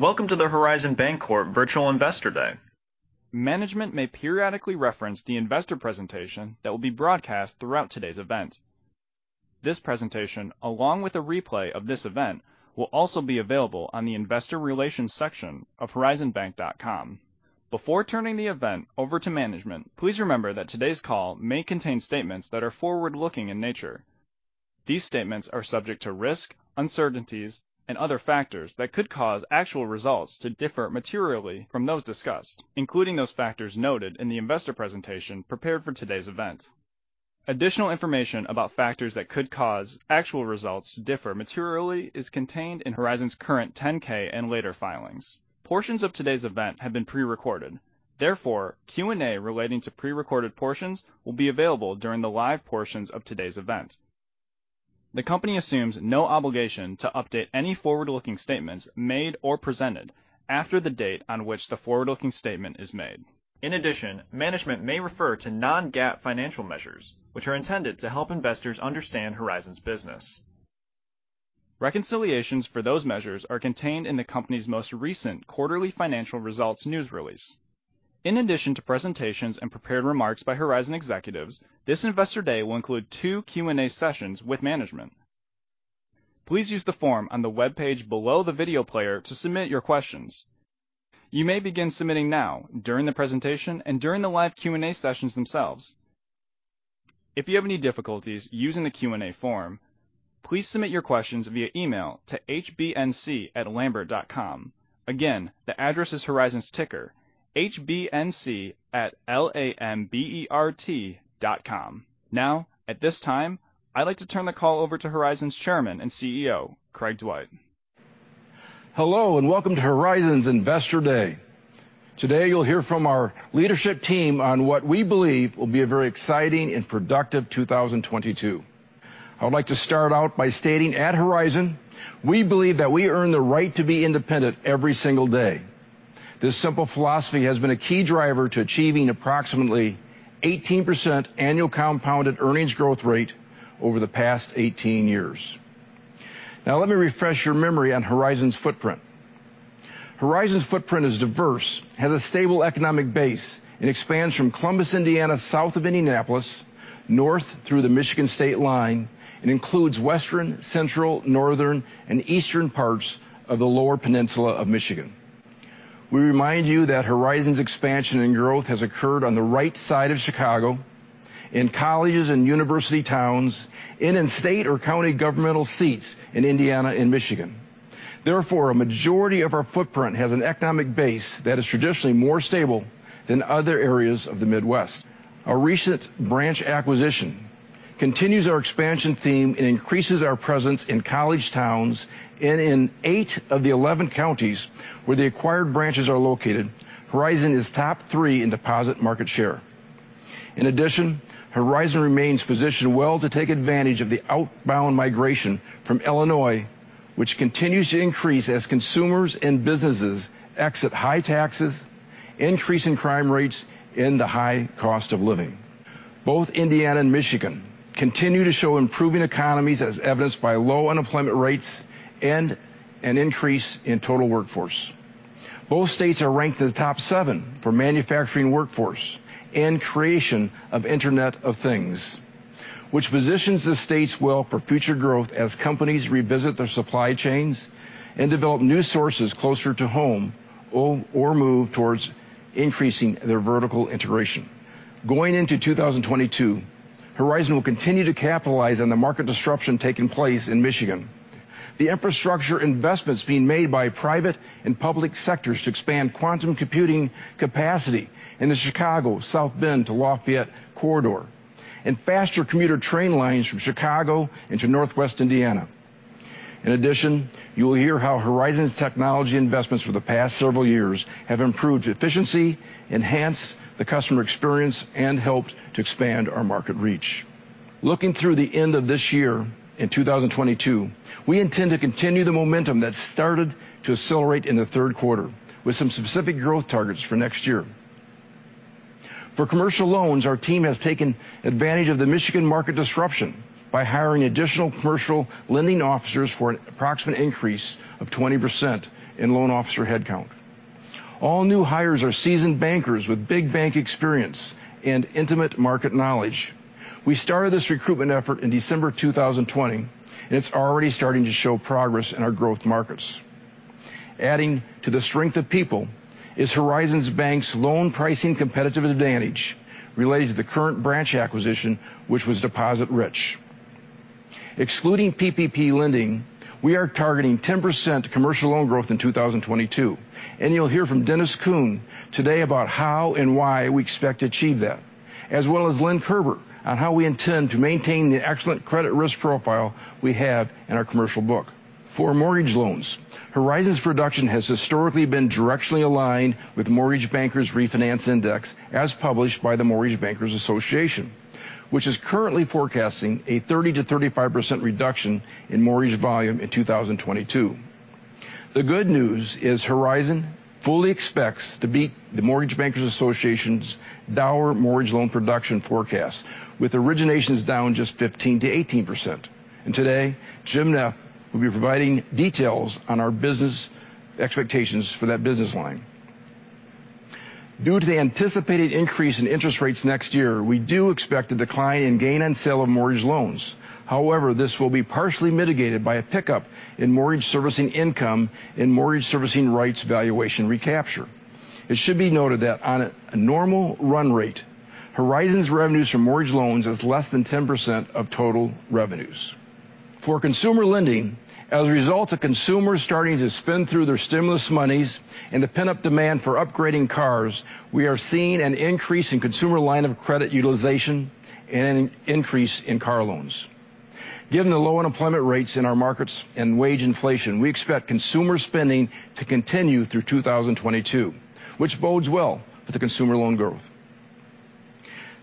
Welcome to the Horizon Bancorp Investor Day. management may periodically reference the investor presentation that will be broadcast throughout today's event. This presentation, along with a replay of this event, will also be available on the Investor Relations section of horizonbank.com. Before turning the event over to management, please remember that today's call may contain statements that are forward-looking in nature. These statements are subject to risk, uncertainties, and other factors that could cause actual results to differ materially from those discussed, including those factors noted in the investor presentation prepared for today's event. Additional information about factors that could cause actual results to differ materially is contained in Horizon's current 10-K and later filings. Portions of today's event have been prerecorded. Therefore, Q&A relating to prerecorded portions will be available during the live portions of today's event. The company assumes no obligation to update any forward-looking statements made or presented after the date on which the forward-looking statement is made. In addition, management may refer to non-GAAP financial measures, which are intended to help investors understand Horizon's business. Reconciliations for those measures are contained in the company's most recent quarterly financial results news release. In addition to presentations and prepared remarks by Horizon executives, Investor Day will include two Q&A sessions with management. Please use the form on the webpage below the video player to submit your questions. You may begin submitting now during the presentation and during the live Q&A sessions themselves. If you have any difficulties using the Q&A form, please submit your questions via email to HBNC@lambert.com. Again, the address is Horizon's ticker, HBNC @ L A M B E R T dot com. Now, at this time, I'd like to turn the call over to Horizon's Chairman and CEO, Craig Dwight. Hello, and welcome to Investor Day. today, you'll hear from our leadership team on what we believe will be a very exciting and productive 2022. I would like to start out by stating, at Horizon, we believe that we earn the right to be independent every single day. This simple philosophy has been a key driver to achieving approximately 18% annual compounded earnings growth rate over the past 18 years. Now, let me refresh your memory on Horizon's footprint. Horizon's footprint is diverse, has a stable economic base, and expands from Columbus, Indiana, south of Indianapolis, north through the Michigan state line, and includes Western, Central, Northern, and Eastern parts of the Lower Peninsula of Michigan. We remind you that Horizon's expansion and growth has occurred on the right side of Chicago in colleges and university towns and in state or county governmental seats in Indiana and Michigan. Therefore, a majority of our footprint has an economic base that is traditionally more stable than other areas of the Midwest. Our recent branch acquisition continues our expansion theme and increases our presence in college towns. In eight of the 11 counties where the acquired branches are located, Horizon is top 3 in deposit market share. In addition, Horizon remains positioned well to take advantage of the outbound migration from Illinois, which continues to increase as consumers and businesses exit high taxes, increasing crime rates, and the high cost of living. Both Indiana and Michigan continue to show improving economies as evidenced by low unemployment rates and an increase in total workforce. Both states are ranked in the top 7 for manufacturing workforce and creation of Internet of Things, which positions the states well for future growth as companies revisit their supply chains and develop new sources closer to home or move towards increasing their vertical integration. Going into 2022, Horizon will continue to capitalize on the market disruption taking place in Michigan, the infrastructure investments being made by private and public sectors to expand quantum computing capacity in the Chicago-South Bend to Lafayette corridor and faster commuter train lines from Chicago into Northwest Indiana. In addition, you will hear how Horizon's technology investments for the past several years have improved efficiency, enhanced the customer experience, and helped to expand our market reach. Looking through the end of this year in 2022, we intend to continue the momentum that started to accelerate in the third quarter with some specific growth targets for next year. For commercial loans, our team has taken advantage of the Michigan market disruption by hiring additional commercial lending officers for an approximate increase of 20% in loan officer headcount. All new hires are seasoned bankers with big bank experience and intimate market knowledge. We started this recruitment effort in December 2020, and it's already starting to show progress in our growth markets. Adding to the strength of people is Horizon Bank's loan pricing competitive advantage related to the current branch acquisition, which was deposit-rich. Excluding PPP lending, we are targeting 10% commercial loan growth in 2022. You'll hear from Dennis Kuhn today about how and why we expect to achieve that, as well as Lynn Kerber on how we intend to maintain the excellent credit risk profile we have in our commercial book. For mortgage loans, Horizon's production has historically been directly aligned with Mortgage Bankers Refinance Index, as published by the Mortgage Bankers Association, which is currently forecasting a 30%-35% reduction in mortgage volume in 2022. The good news is Horizon fully expects to beat the Mortgage Bankers Association's dour mortgage loan production forecast, with originations down just 15%-18%. Today, Jim Neff will be providing details on our business expectations for that business line. Due to the anticipated increase in interest rates next year, we do expect a decline in gain on sale of mortgage loans. However, this will be partially mitigated by a pickup in mortgage servicing income and mortgage servicing rights valuation recapture. It should be noted that on a normal run rate, Horizon's revenues from mortgage loans is less than 10% of total revenues. For consumer lending, as a result of consumers starting to spend through their stimulus monies and the pent-up demand for upgrading cars, we are seeing an increase in consumer line of credit utilization and an increase in car loans. Given the low unemployment rates in our markets and wage inflation, we expect consumer spending to continue through 2022, which bodes well for the consumer loan growth.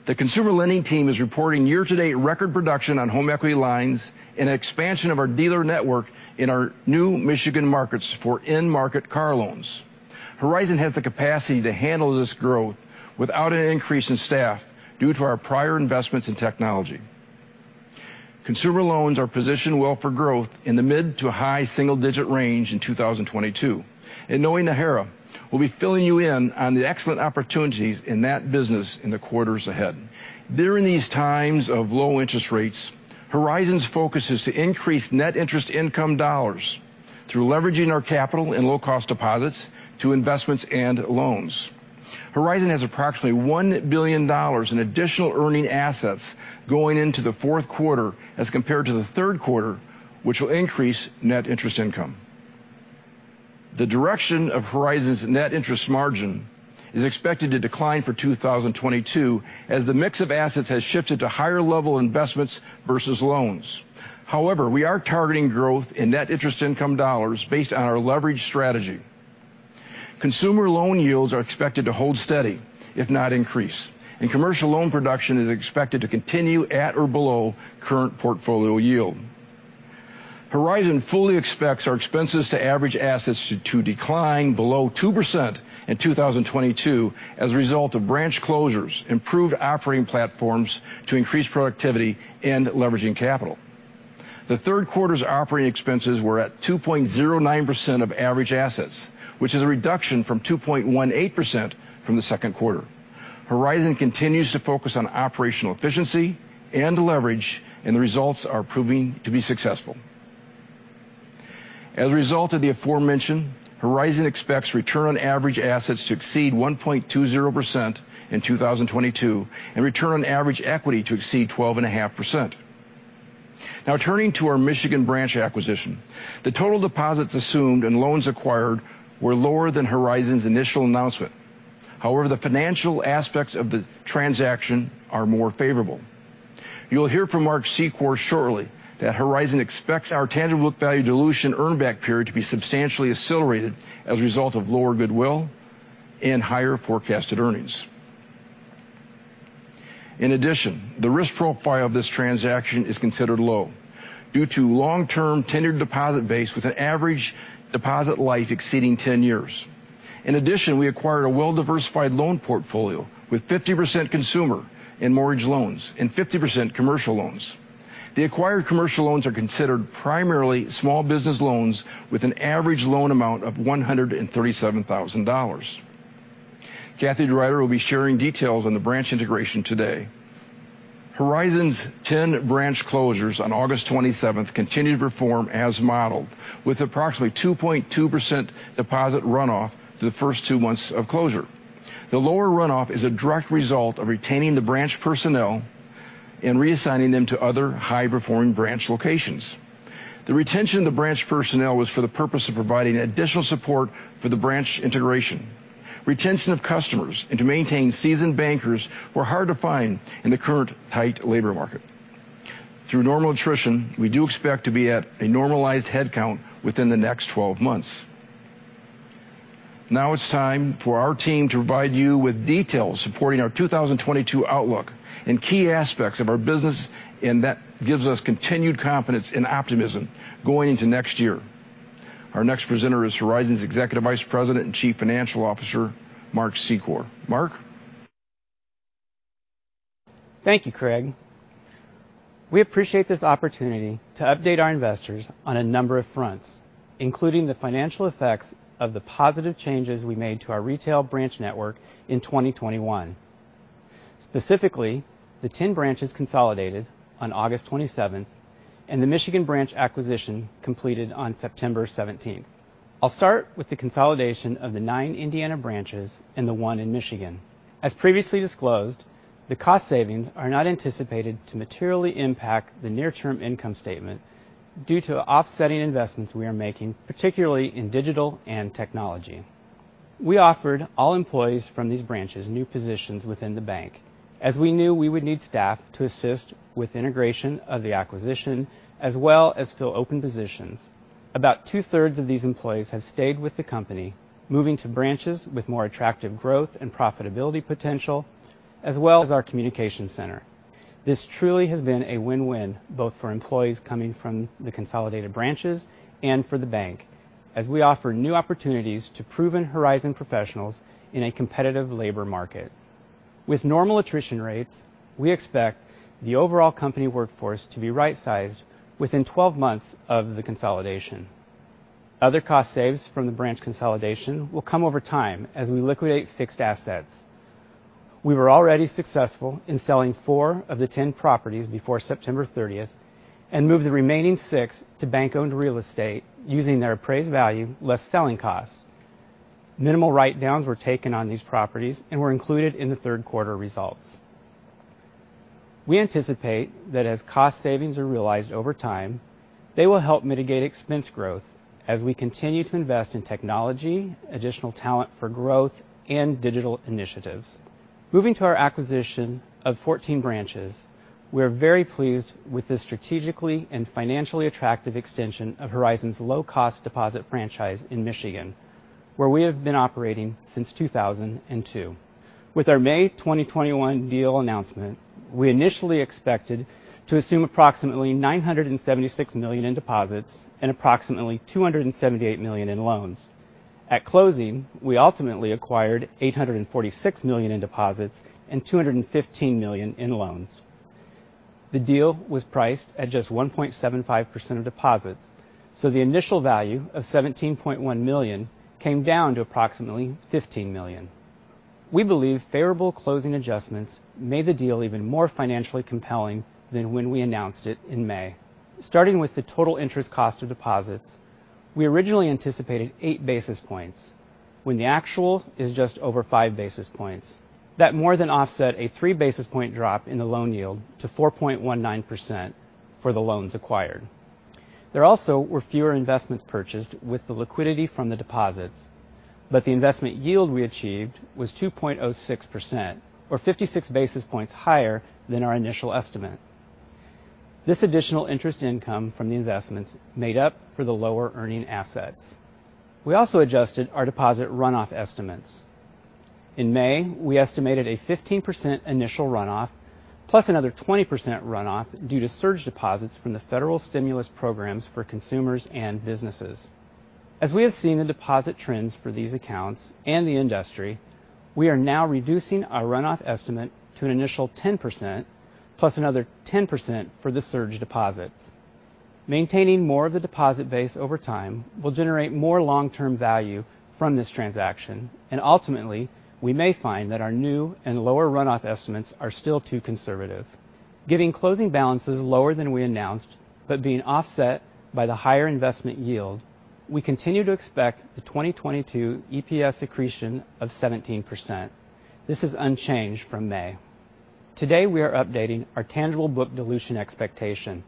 The consumer lending team is reporting year-to-date record production on home equity lines and an expansion of our dealer network in our new Michigan markets for in-market car loans. Horizon has the capacity to handle this growth without an increase in staff due to our prior investments in technology. Consumer loans are positioned well for growth in the mid to high single-digit range in 2022. Knowing Noe Najera, we'll be filling you in on the excellent opportunities in that business in the quarters ahead. During these times of low interest rates, Horizon's focus is to increase net interest income dollars through leveraging our capital and low-cost deposits to investments and loans. Horizon has approximately $1 billion in additional earning assets going into the fourth quarter as compared to the third quarter, which will increase net interest income. The direction of Horizon's net interest margin is expected to decline for 2022 as the mix of assets has shifted to higher-level investments versus loans. However, we are targeting growth in net interest income dollars based on our leverage strategy. Consumer loan yields are expected to hold steady, if not increase, and commercial loan production is expected to continue at or below current portfolio yield. Horizon fully expects our expenses to average assets to decline below 2% in 2022 as a result of branch closures, improved operating platforms to increase productivity, and leveraging capital. The third quarter's operating expenses were at 2.09% of average assets, which is a reduction from 2.18% from the second quarter. Horizon continues to focus on operational efficiency and leverage, and the results are proving to be successful. As a result of the aforementioned, Horizon expects return on average assets to exceed 1.20% in 2022 and return on average equity to exceed 12.5%. Now turning to our Michigan branch acquisition. The total deposits assumed and loans acquired were lower than Horizon's initial announcement. However, the financial aspects of the transaction are more favorable. You'll hear from Mark Secor shortly that Horizon expects our tangible book value dilution earn-back period to be substantially accelerated as a result of lower goodwill and higher forecasted earnings. In addition, the risk profile of this transaction is considered low due to long-term tenured deposit base with an average deposit life exceeding 10 years. In addition, we acquired a well-diversified loan portfolio with 50% consumer and mortgage loans and 50% commercial loans. The acquired commercial loans are considered primarily small business loans with an average loan amount of $137,000. Kathie DeRuiter will be sharing details on the branch integration today. Horizon's 10 branch closures on August 27 continued to perform as modeled with approximately 2.2% deposit runoff through the first two months of closure. The lower runoff is a direct result of retaining the branch personnel and reassigning them to other high-performing branch locations. The retention of the branch personnel was for the purpose of providing additional support for the branch integration. Retention of customers and maintaining seasoned bankers were hard to find in the current tight labor market. Through normal attrition, we do expect to be at a normalized headcount within the next 12 months. Now it's time for our team to provide you with details supporting our 2022 outlook and key aspects of our business, and that gives us continued confidence and optimism going into next year. Our next presenter is Horizon's Executive Vice President and Chief Financial Officer, Mark Secor. Mark? Thank you, Craig. We appreciate this opportunity to update our investors on a number of fronts, including the financial effects of the positive changes we made to our retail branch network in 2021. Specifically, the 10 branches consolidated on August 27 and the Michigan branch acquisition completed on September 17. I'll start with the consolidation of the nine Indiana branches and the one in Michigan. As previously disclosed, the cost savings are not anticipated to materially impact the near-term income statement due to offsetting investments we are making, particularly in digital and technology. We offered all employees from these branches new positions within the bank, as we knew we would need staff to assist with integration of the acquisition as well as fill open positions. About two-thirds of these employees have stayed with the company, moving to branches with more attractive growth and profitability potential, as well as our communication center. This truly has been a win-win both for employees coming from the consolidated branches and for the bank, as we offer new opportunities to proven Horizon professionals in a competitive labor market. With normal attrition rates, we expect the overall company workforce to be right-sized within 12 months of the consolidation. Other cost saves from the branch consolidation will come over time as we liquidate fixed assets. We were already successful in selling four of the 10 properties before September 30th and moved the remaining six to bank-owned real estate using their appraised value, less selling costs. Minimal write-downs were taken on these properties and were included in the third quarter results. We anticipate that as cost savings are realized over time, they will help mitigate expense growth as we continue to invest in technology, additional talent for growth and digital initiatives. Moving to our acquisition of 14 branches, we are very pleased with this strategically and financially attractive extension of Horizon's low-cost deposit franchise in Michigan, where we have been operating since 2002. With our May 2021 deal announcement, we initially expected to assume approximately $976 million in deposits and approximately $278 million in loans. At closing, we ultimately acquired $846 million in deposits and $215 million in loans. The deal was priced at just 1.75% of deposits, so the initial value of $17.1 million came down to approximately $15 million. We believe favorable closing adjustments made the deal even more financially compelling than when we announced it in May. Starting with the total interest cost of deposits, we originally anticipated 8 basis points when the actual is just over 5 basis points. That more than offset a 3 basis point drop in the loan yield to 4.19% for the loans acquired. There also were fewer investments purchased with the liquidity from the deposits, but the investment yield we achieved was 2.06% or 56 basis points higher than our initial estimate. This additional interest income from the investments made up for the lower earning assets. We also adjusted our deposit runoff estimates. In May, we estimated a 15% initial runoff plus another 20% runoff due to surge deposits from the federal stimulus programs for consumers and businesses. As we have seen the deposit trends for these accounts and the industry, we are now reducing our runoff estimate to an initial 10% plus another 10% for the surge deposits. Maintaining more of the deposit base over time will generate more long-term value from this transaction, and ultimately, we may find that our new and lower runoff estimates are still too conservative. Given closing balances lower than we announced, but being offset by the higher investment yield, we continue to expect the 2022 EPS accretion of 17%. This is unchanged from May. Today, we are updating our tangible book dilution expectation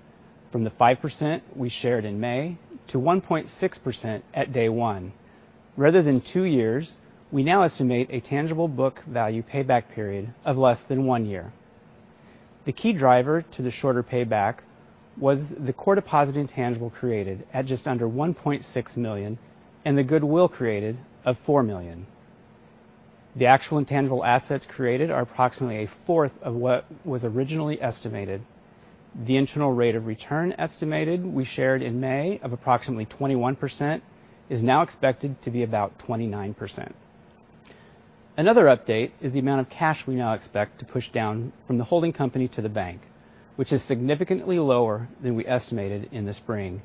from the 5% we shared in May to 1.6% at day one. Rather than two years, we now estimate a tangible book value payback period of less than one year. The key driver to the shorter payback was the core deposit intangible created at just under $1.6 million and the goodwill created of $4 million. The actual intangible assets created are approximately a fourth of what was originally estimated. The internal rate of return estimated we shared in May of approximately 21% is now expected to be about 29%. Another update is the amount of cash we now expect to push down from the holding company to the bank, which is significantly lower than we estimated in the spring,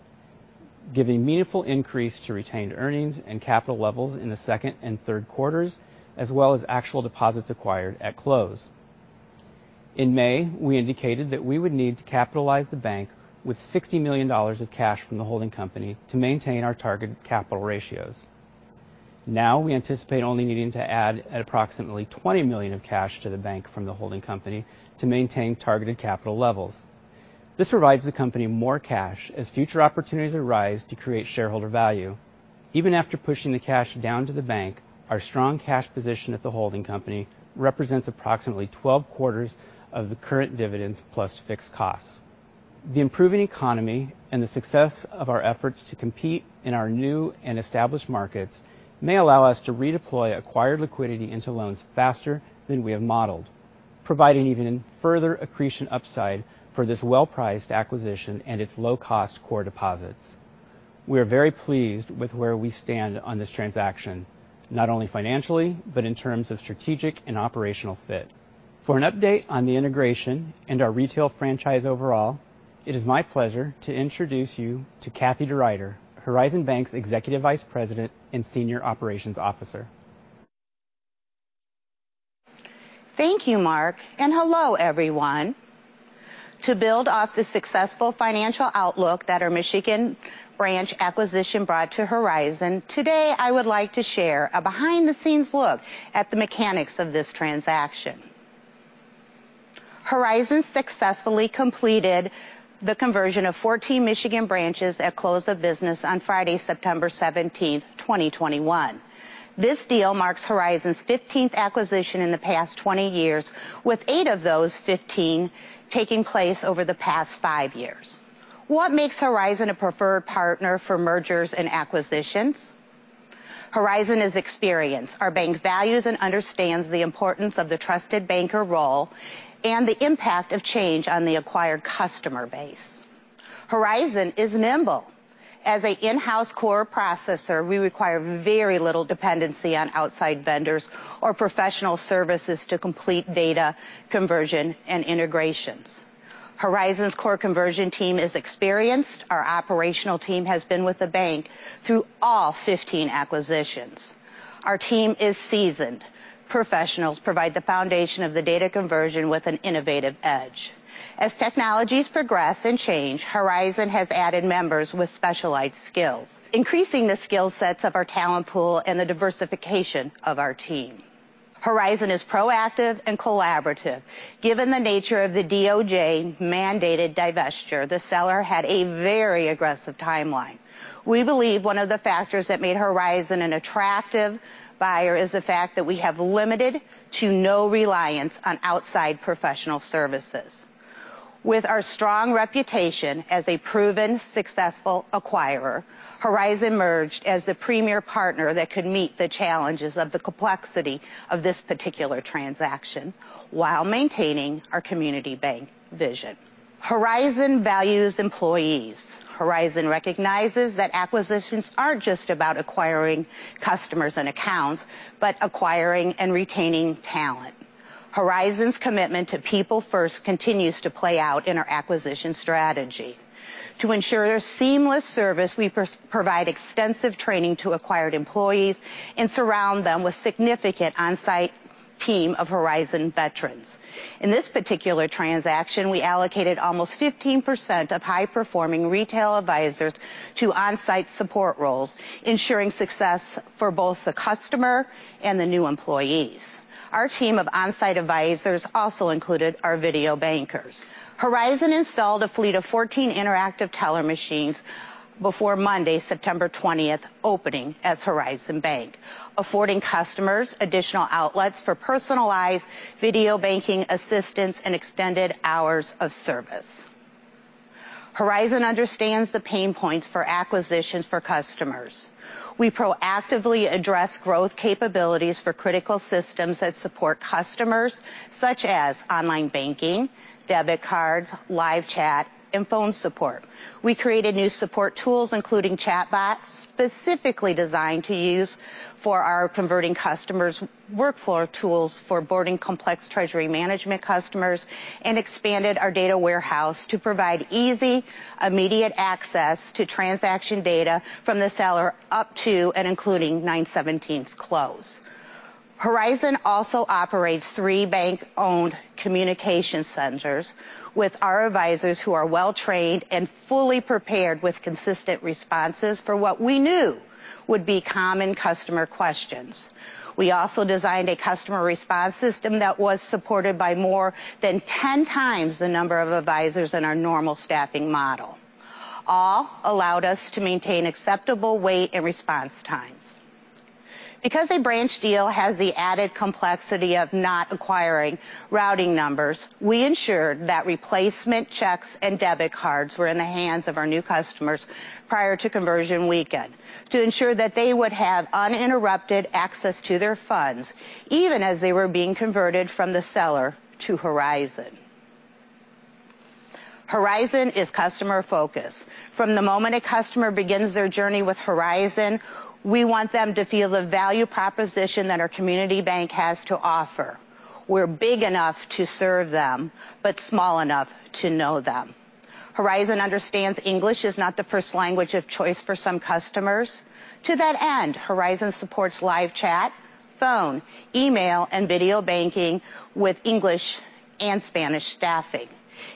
giving meaningful increase to retained earnings and capital levels in the second and third quarters, as well as actual deposits acquired at close. In May, we indicated that we would need to capitalize the bank with $60 million of cash from the holding company to maintain our target capital ratios. Now we anticipate only needing to add approximately $20 million of cash to the bank from the holding company to maintain targeted capital levels. This provides the company more cash as future opportunities arise to create shareholder value. Even after pushing the cash down to the bank, our strong cash position at the holding company represents approximately 12 quarters of the current dividends plus fixed costs. The improving economy and the success of our efforts to compete in our new and established markets may allow us to redeploy acquired liquidity into loans faster than we have modeled, providing even further accretion upside for this well-priced acquisition and its low-cost core deposits. We are very pleased with where we stand on this transaction, not only financially, but in terms of strategic and operational fit. For an update on the integration and our retail franchise overall, it is my pleasure to introduce you to Kathie DeRuiter, Horizon Bank's Executive Vice President and Senior Operations Officer. Thank you, Mark, and hello, everyone. To build off the successful financial outlook that our Michigan branch acquisition brought to Horizon, today I would like to share a behind-the-scenes look at the mechanics of this transaction. Horizon successfully completed the conversion of 14 Michigan branches at close of business on Friday, September 17, 2021. This deal marks Horizon's 15th acquisition in the past 20 years, with eight of those 15 taking place over the past five years. What makes Horizon a preferred partner for mergers and acquisitions? Horizon is experienced. Our bank values and understands the importance of the trusted banker role and the impact of change on the acquired customer base. Horizon is nimble. As an in-house core processor, we require very little dependency on outside vendors or professional services to complete data conversion and integrations. Horizon's core conversion team is experienced. Our operational team has been with the bank through all 15 acquisitions. Our team is seasoned. Professionals provide the foundation of the data conversion with an innovative edge. As technologies progress and change, Horizon has added members with specialized skills, increasing the skillsets of our talent pool and the diversification of our team. Horizon is proactive and collaborative. Given the nature of the DOJ-mandated divestiture, the seller had a very aggressive timeline. We believe one of the factors that made Horizon an attractive buyer is the fact that we have limited to no reliance on outside professional services. With our strong reputation as a proven successful acquirer, Horizon emerged as the premier partner that could meet the challenges of the complexity of this particular transaction while maintaining our community bank vision. Horizon values employees. Horizon recognizes that acquisitions aren't just about acquiring customers and accounts, but acquiring and retaining talent. Horizon's commitment to people-first continues to play out in our acquisition strategy. To ensure a seamless service, we provide extensive training to acquired employees and surround them with significant on-site team of Horizon veterans. In this particular transaction, we allocated almost 15% of high-performing retail advisors to on-site support roles, ensuring success for both the customer and the new employees. Our team of on-site advisors also included our video bankers. Horizon installed a fleet of 14 interactive teller machines before Monday, September 20 opening as Horizon Bank, affording customers additional outlets for personalized video banking assistance and extended hours of service. Horizon understands the pain points for acquisitions for customers. We proactively address growth capabilities for critical systems that support customers, such as online banking, debit cards, live chat, and phone support. We created new support tools, including chatbots, specifically designed to use for our converting customers, workflow tools for boarding complex treasury management customers, and expanded our data warehouse to provide easy, immediate access to transaction data from the seller up to and including 9/17's close. Horizon also operates three bank-owned communication centers with our advisors who are well-trained and fully prepared with consistent responses for what we knew would be common customer questions. We also designed a customer response system that was supported by more than 10 times the number of advisors in our normal staffing model. All allowed us to maintain acceptable wait and response times. Because a branch deal has the added complexity of not acquiring routing numbers, we ensured that replacement checks and debit cards were in the hands of our new customers prior to conversion weekend to ensure that they would have uninterrupted access to their funds, even as they were being converted from the seller to Horizon. Horizon is customer-focused. From the moment a customer begins their journey with Horizon, we want them to feel the value proposition that our community bank has to offer. We're big enough to serve them but small enough to know them. Horizon understands English is not the first language of choice for some customers. To that end, Horizon supports live chat, phone, email, and video banking with English and Spanish staffing.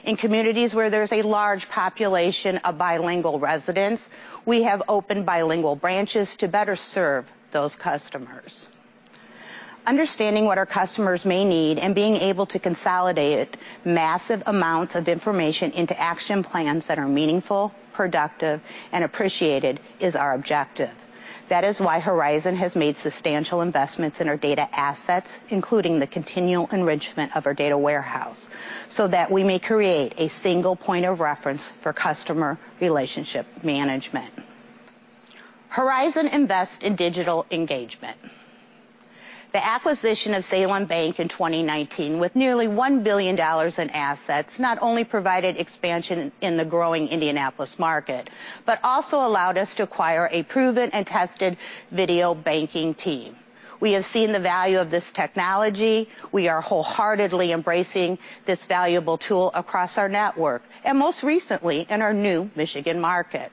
In communities where there's a large population of bilingual residents, we have opened bilingual branches to better serve those customers. Understanding what our customers may need and being able to consolidate massive amounts of information into action plans that are meaningful, productive, and appreciated is our objective. That is why Horizon has made substantial investments in our data assets, including the continual enrichment of our data warehouse, so that we may create a single point of reference for customer relationship management. Horizon invests in digital engagement. The acquisition of Salin Bank in 2019 with nearly $1 billion in assets not only provided expansion in the growing Indianapolis market but also allowed us to acquire a proven and tested video banking team. We have seen the value of this technology. We are wholeheartedly embracing this valuable tool across our network and, most recently, in our new Michigan market.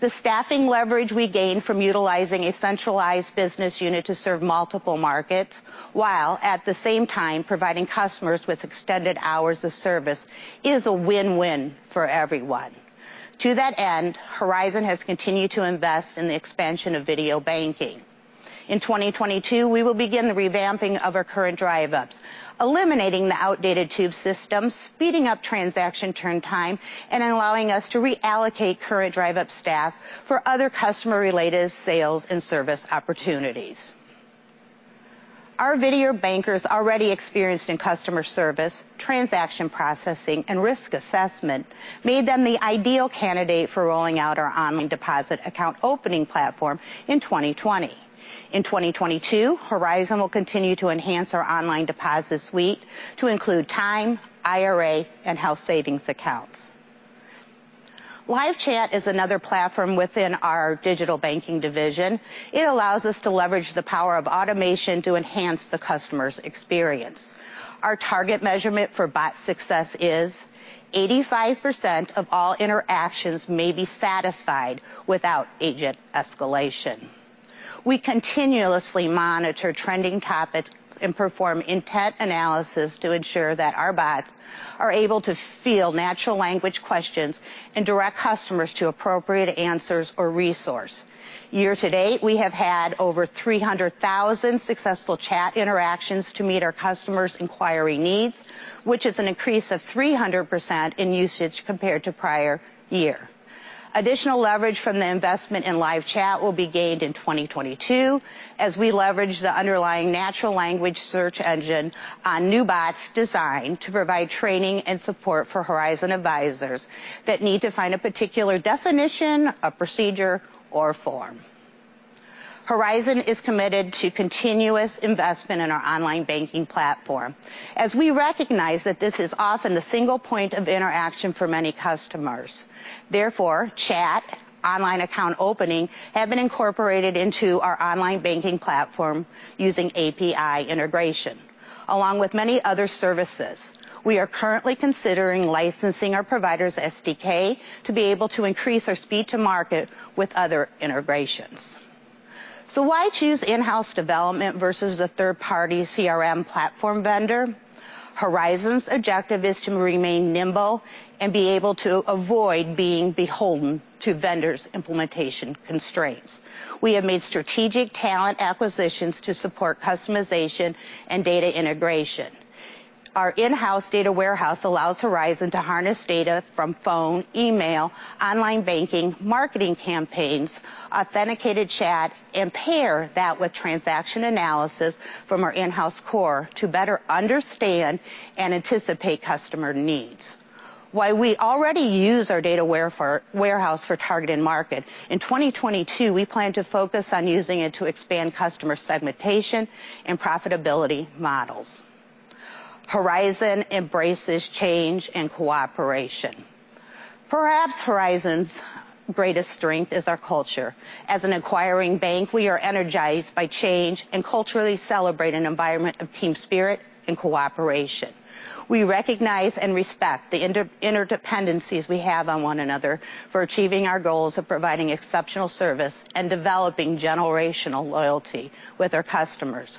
The staffing leverage we gain from utilizing a centralized business unit to serve multiple markets, while at the same time providing customers with extended hours of service, is a win-win for everyone. To that end, Horizon has continued to invest in the expansion of video banking. In 2022, we will begin the revamping of our current drive-ups, eliminating the outdated tube system, speeding up transaction turn time, and allowing us to reallocate current drive-up staff for other customer-related sales and service opportunities. Our video bankers already experienced in customer service, transaction processing, and risk assessment made them the ideal candidate for rolling out our online deposit account opening platform in 2020. In 2022, Horizon will continue to enhance our online deposit suite to include time, IRA, and health savings accounts. Live chat is another platform within our digital banking division. It allows us to leverage the power of automation to enhance the customer's experience. Our target measurement for bot success is 85% of all interactions may be satisfied without agent escalation. We continuously monitor trending topics and perform intent analysis to ensure that our bots are able to field natural language questions and direct customers to appropriate answers or resource. Year to date, we have had over 300,000 successful chat interactions to meet our customers' inquiry needs, which is an increase of 300% in usage compared to prior year. Additional leverage from the investment in live chat will be gained in 2022 as we leverage the underlying natural language search engine on new bots designed to provide training and support for Horizon advisors that need to find a particular definition, a procedure, or form. Horizon is committed to continuous investment in our online banking platform as we recognize that this is often the single point of interaction for many customers. Therefore, chat, online account opening have been incorporated into our online banking platform using API integration. Along with many other services, we are currently considering licensing our provider's SDK to be able to increase our speed to market with other integrations. Why choose in-house development versus the third-party CRM platform vendor? Horizon's objective is to remain nimble and be able to avoid being beholden to vendors' implementation constraints. We have made strategic talent acquisitions to support customization and data integration. Our in-house data warehouse allows Horizon to harness data from phone, email, online banking, marketing campaigns, authenticated chat, and pair that with transaction analysis from our in-house core to better understand and anticipate customer needs. While we already use our data warehouse for targeted market, in 2022, we plan to focus on using it to expand customer segmentation and profitability models. Horizon embraces change and cooperation. Perhaps Horizon's greatest strength is our culture. As an acquiring bank, we are energized by change and culturally celebrate an environment of team spirit and cooperation. We recognize and respect the interdependencies we have on one another for achieving our goals of providing exceptional service and developing generational loyalty with our customers.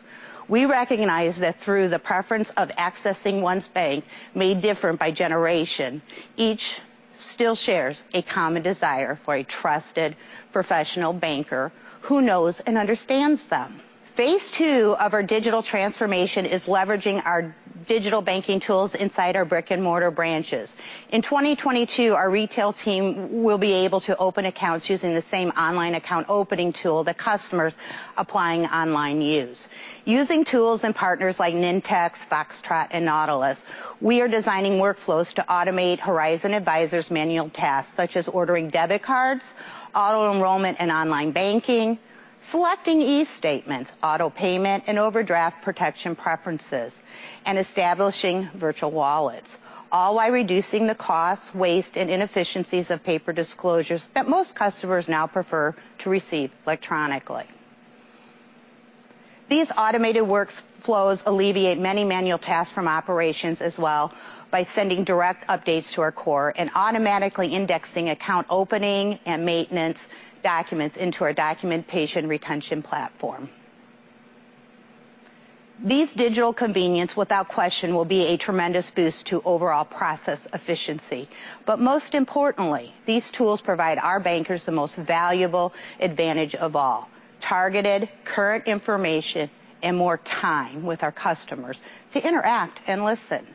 We recognize that through the preference of accessing one's bank may differ by generation, each still shares a common desire for a trusted professional banker who knows and understands them. Phase two of our digital transformation is leveraging our digital banking tools inside our brick-and-mortar branches. In 2022, our retail team will be able to open accounts using the same online account opening tool that customers applying online use. Using tools and partners like Nintex, Foxtrot, and Nautilus, we are designing workflows to automate Horizon advisors' manual tasks, such as ordering debit cards, auto-enrollment in online banking, selecting eStatements, auto-payment, and overdraft protection preferences, and establishing virtual wallets, all while reducing the costs, waste, and inefficiencies of paper disclosures that most customers now prefer to receive electronically. These automated workflows alleviate many manual tasks from operations as well by sending direct updates to our core and automatically indexing account opening and maintenance documents into our documentation retention platform. These digital convenience, without question, will be a tremendous boost to overall process efficiency. Most importantly, these tools provide our bankers the most valuable advantage of all: targeted current information and more time with our customers to interact and listen.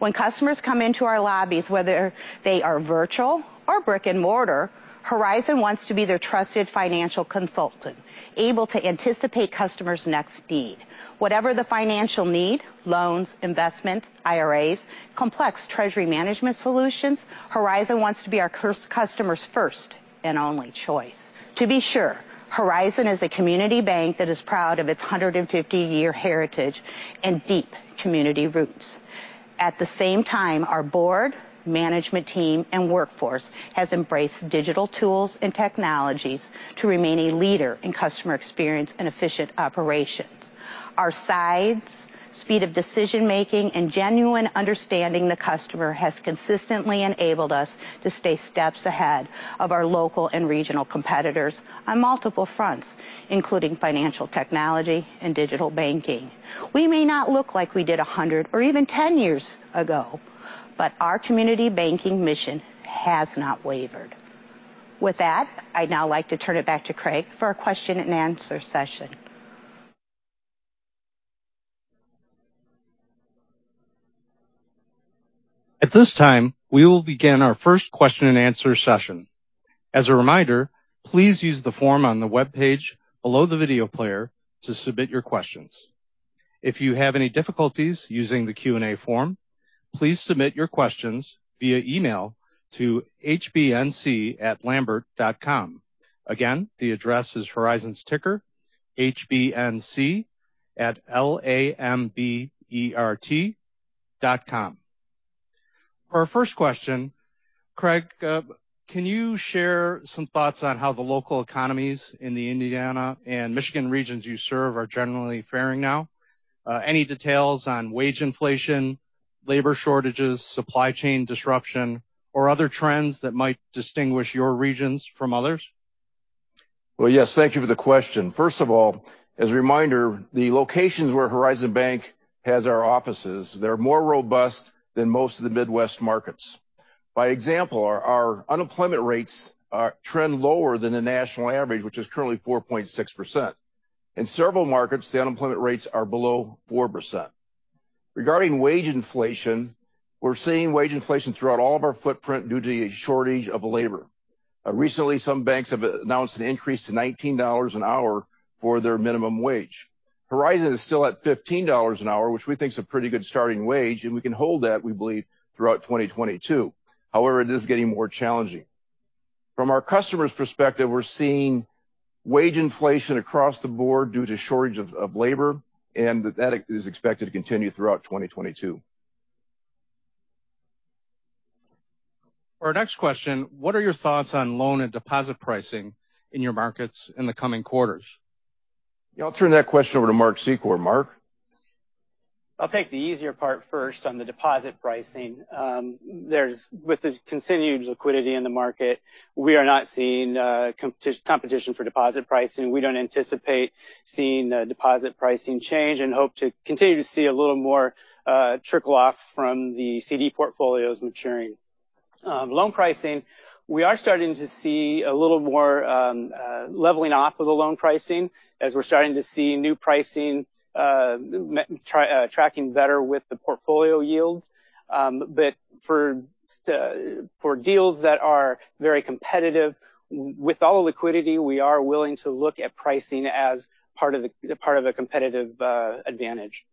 When customers come into our lobbies, whether they are virtual or brick-and-mortar, Horizon wants to be their trusted financial consultant, able to anticipate customers' next need. Whatever the financial need, loans, investments, IRAs, complex treasury management solutions, Horizon wants to be customers' first and only choice. To be sure, Horizon is a community bank that is proud of its 150-year heritage and deep community roots. At the same time, our board, management team, and workforce has embraced digital tools and technologies to remain a leader in customer experience and efficient operations. Our size, speed of decision-making, and genuine understanding of the customer has consistently enabled us to stay steps ahead of our local and regional competitors on multiple fronts, including financial technology and digital banking. We may not look like we did 100 or even 10 years ago, but our community banking mission has not wavered. With that, I'd now like to turn it back to Craig for a question-and-answer session. At this time, we will begin our first question-and-answer session. As a reminder, please use the form on the webpage below the video player to submit your questions. If you have any difficulties using the Q&A form, please submit your questions via email to hbnc@lambert.com. Again, the address is Horizon's ticker, HBNC, at L-A-M-B-E-R-T dot com. For our first question, Craig, can you share some thoughts on how the local economies in the Indiana and Michigan regions you serve are generally faring now? Any details on wage inflation, labor shortages, supply chain disruption, or other trends that might distinguish your regions from others? Well, yes. Thank you for the question. First of all, as a reminder, the locations where Horizon Bank has our offices, they're more robust than most of the Midwest markets. For example, our unemployment rates are trending lower than the national average, which is currently 4.6%. In several markets, the unemployment rates are below 4%. Regarding wage inflation, we're seeing wage inflation throughout all of our footprint due to a shortage of labor. Recently, some banks have announced an increase to $19 an hour for their minimum wage. Horizon is still at $15 an hour, which we think is a pretty good starting wage, and we can hold that, we believe, throughout 2022. However, it is getting more challenging. From our customers' perspective, we're seeing wage inflation across the board due to shortage of labor, and that is expected to continue throughout 2022. For our next question, what are your thoughts on loan and deposit pricing in your markets in the coming quarters? Yeah, I'll turn that question over to Mark Secor. Mark? I'll take the easier part first on the deposit pricing. With the continued liquidity in the market, we are not seeing competition for deposit pricing. We don't anticipate seeing deposit pricing change and hope to continue to see a little more trickle off from the CD portfolios maturing. Loan pricing, we are starting to see a little more leveling off of the loan pricing as we're starting to see new pricing tracking better with the portfolio yields. For deals that are very competitive, with all the liquidity, we are willing to look at pricing as part of the competitive advantage.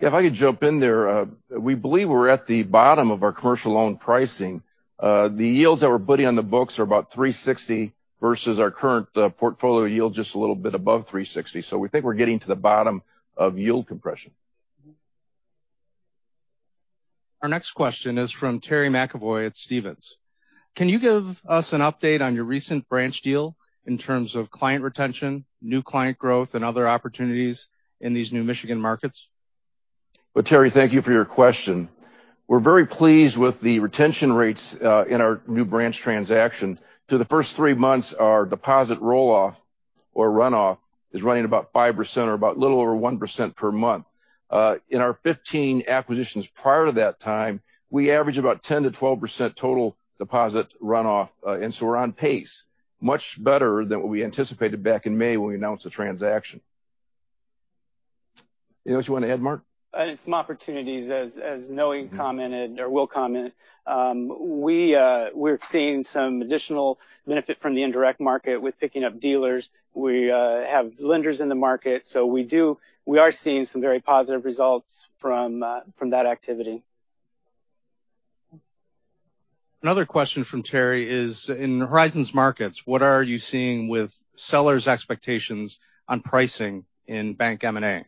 If I could jump in there. We believe we're at the bottom of our commercial loan pricing. The yields that we're putting on the books are about 3.60% versus our current portfolio yield just a little bit above 3.60%. We think we're getting to the bottom of yield compression. Our next question is from Terry McEvoy at Stephens. Can you give us an update on your recent branch deal in terms of client retention, new client growth, and other opportunities in these new Michigan markets? Well, Terry, thank you for your question. We're very pleased with the retention rates in our new branch transaction. Through the first three months, our deposit roll-off or runoff is running about 5% or about a little over 1% per month. In our 15 acquisitions prior to that time, we averaged about 10%-12% total deposit runoff. We're on pace, much better than what we anticipated back in May when we announced the transaction. Anything else you want to add, Mark? Some opportunities as Noe commented or will comment. We're seeing some additional benefit from the indirect market with picking up dealers. We have lenders in the market, so we are seeing some very positive results from that activity. Another question from Terry is: In Horizon's markets, what are you seeing with sellers' expectations on pricing in bank M&A?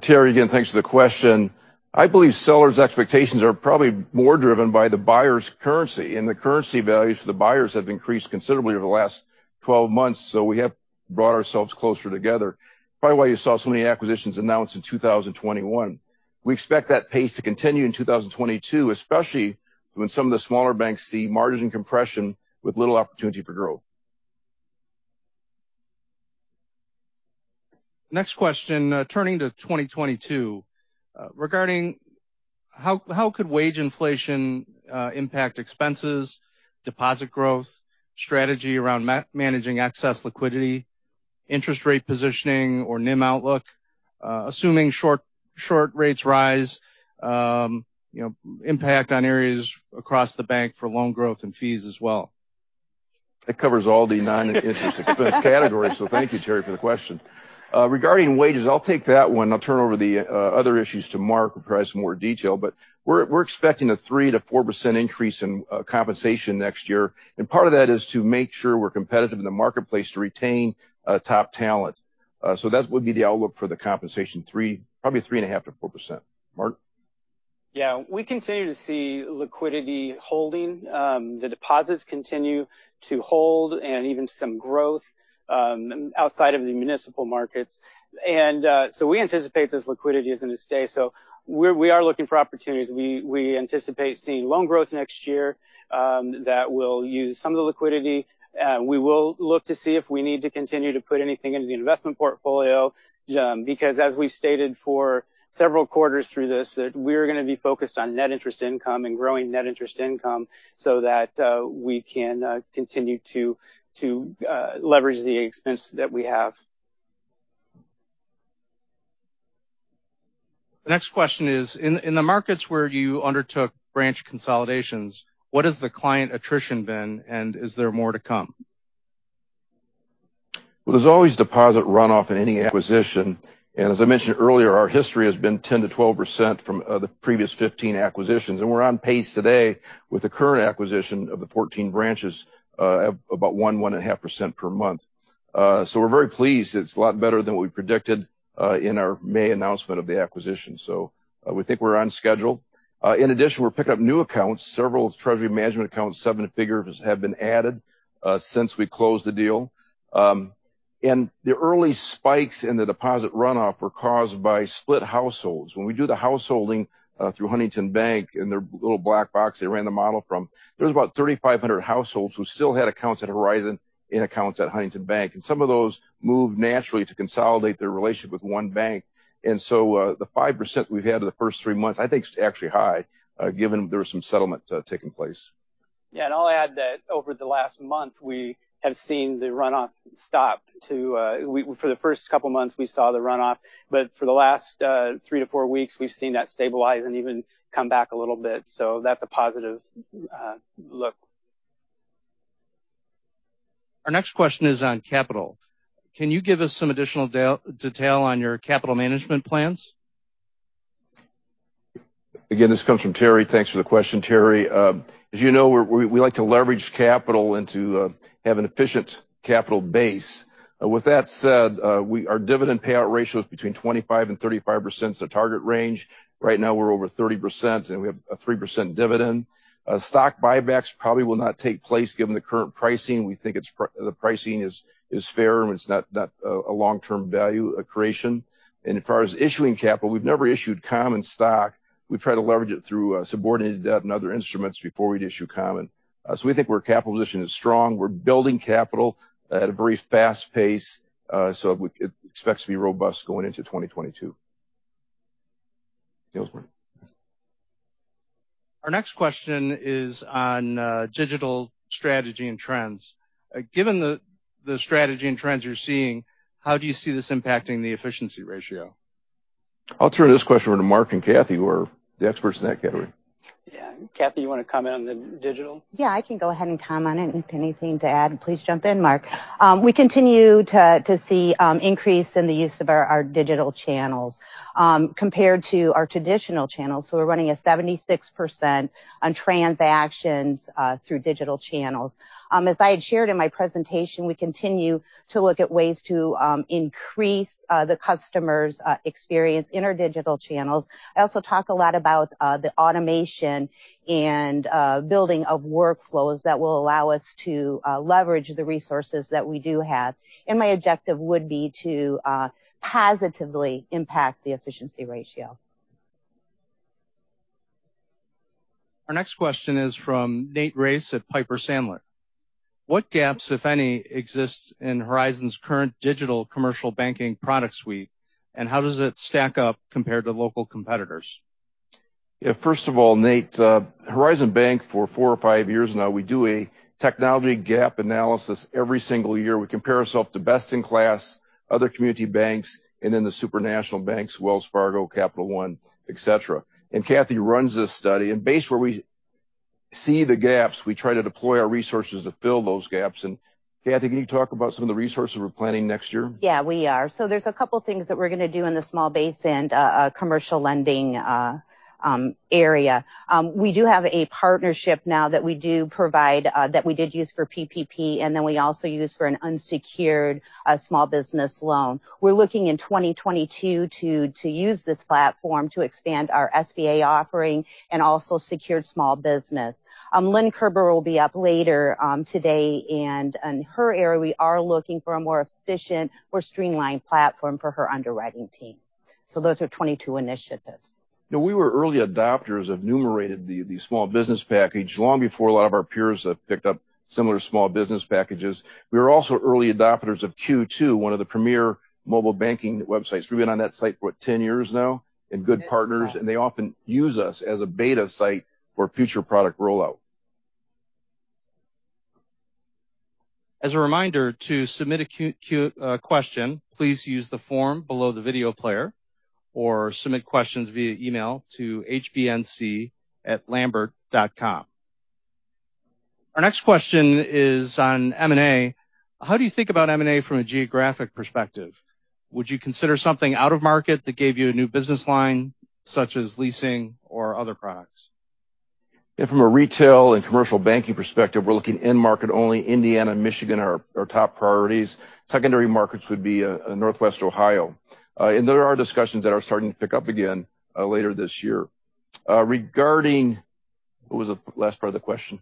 Terry, again, thanks for the question. I believe sellers' expectations are probably more driven by the buyers' currency, and the currency values for the buyers have increased considerably over the last 12 months, so we have brought ourselves closer together. That's probably why you saw so many acquisitions announced in 2021. We expect that pace to continue in 2022, especially when some of the smaller banks see margin compression with little opportunity for growth. Next question, turning to 2022. Regarding how wage inflation could impact expenses, deposit growth, strategy around managing excess liquidity, interest rate positioning or NIM outlook, assuming short rates rise, you know, impact on areas across the bank for loan growth and fees as well? That covers all the non-interest expense categories, so thank you, Terry, for the question. Regarding wages, I'll take that one. I'll turn over the other issues to Mark who will provide some more detail. We're expecting a 3%-4% increase in compensation next year, and part of that is to make sure we're competitive in the marketplace to retain top talent. That would be the outlook for the compensation, probably 3.5%-4%. Mark? Yeah. We continue to see liquidity holding. The deposits continue to hold and even some growth, outside of the municipal markets. We anticipate this liquidity is going to stay. We are looking for opportunities. We anticipate seeing loan growth next year that will use some of the liquidity. We will look to see if we need to continue to put anything into the investment portfolio, because as we've stated for several quarters through this, that we're gonna be focused on net interest income and growing net interest income so that we can continue to leverage the expense that we have. The next question is, in the markets where you undertook branch consolidations, what has the client attrition been, and is there more to come? Well, there's always deposit runoff in any acquisition. As I mentioned earlier, our history has been 10%-12% from the previous 15 acquisitions. We're on pace today with the current acquisition of the 14 branches at about 1.5% per month. We're very pleased. It's a lot better than what we predicted in our May announcement of the acquisition. We think we're on schedule. In addition, we're picking up new accounts. Several treasury management accounts, seven figures have been added since we closed the deal. The early spikes in the deposit runoff were caused by split households. When we do the householding through Huntington Bank in their little black box they ran the model from, there was about 3,500 households who still had accounts at Horizon and accounts at Huntington Bank. Some of those moved naturally to consolidate their relationship with one bank. The 5% we've had in the first three months I think is actually high, given there was some settlement taking place. Yeah. I'll add that over the last month, we have seen the runoff stop. For the first couple months we saw the runoff, but for the last three to four weeks, we've seen that stabilize and even come back a little bit. That's a positive look. Our next question is on capital. Can you give us some additional detail on your capital management plans? Again, this comes from Terry. Thanks for the question, Terry. As you know, we like to leverage capital and to have an efficient capital base. With that said, our dividend payout ratio is between 25%-35% is the target range. Right now we're over 30%, and we have a 3% dividend. Stock buybacks probably will not take place given the current pricing. We think the pricing is fair, and it's not a long-term value creation. As far as issuing capital, we've never issued common stock. We try to leverage it through subordinated debt and other instruments before we'd issue common. So we think our capital position is strong. We're building capital at a very fast pace. So we expect to be robust going into 2022. Nils, go ahead. Our next question is on digital strategy and trends. Given the strategy and trends you're seeing, how do you see this impacting the efficiency ratio? I'll turn this question over to Mark and Kathy, who are the experts in that category. Yeah. Kathy, you wanna comment on the digital? Yeah, I can go ahead and comment on it, and if anything to add, please jump in, Mark. We continue to see increase in the use of our digital channels compared to our traditional channels. We're running at 76% on transactions through digital channels. As I had shared in my presentation, we continue to look at ways to increase the customer's experience in our digital channels. I also talk a lot about the automation and building of workflows that will allow us to leverage the resources that we do have. My objective would be to positively impact the efficiency ratio. Our next question is from Nate Race at Piper Sandler. What gaps, if any, exist in Horizon's current digital commercial banking product suite, and how does it stack up compared to local competitors? Yeah. First of all, Nate, Horizon Bank for four or five years now, we do a technology gap analysis every single year. We compare ourselves to best in class, other community banks, and then the super national banks, Wells Fargo, Capital One, et cetera. Kathie runs this study. Based where we see the gaps, we try to deploy our resources to fill those gaps. Kathie, can you talk about some of the resources we're planning next year? Yeah, we are. There's a couple things that we're gonna do in the small business and commercial lending area. We have a partnership now that we provide that we did use for PPP, and then we also use for an unsecured small business loan. We're looking in 2022 to use this platform to expand our SBA offering and also secured small business. Lynn Kerber will be up later today, and in her area, we are looking for a more efficient or streamlined platform for her underwriting team. Those are 2022 initiatives. You know, we were early adopters of Numerated, the small business package, long before a lot of our peers have picked up similar small business packages. We were also early adopters of Q2, one of the premier mobile banking websites. We've been on that site for what? 10 years now, and good partners, and they often use us as a beta site for future product rollout. As a reminder, to submit a Q&A question, please use the form below the video player or submit questions via email to HBNC@lambert.com. Our next question is on M&A. How do you think about M&A from a geographic perspective? Would you consider something out of market that gave you a new business line, such as leasing or other products? From a retail and commercial banking perspective, we're looking in market only. Indiana and Michigan are our top priorities. Secondary markets would be Northwest Ohio. There are discussions that are starting to pick up again later this year. Regarding what was the last part of the question?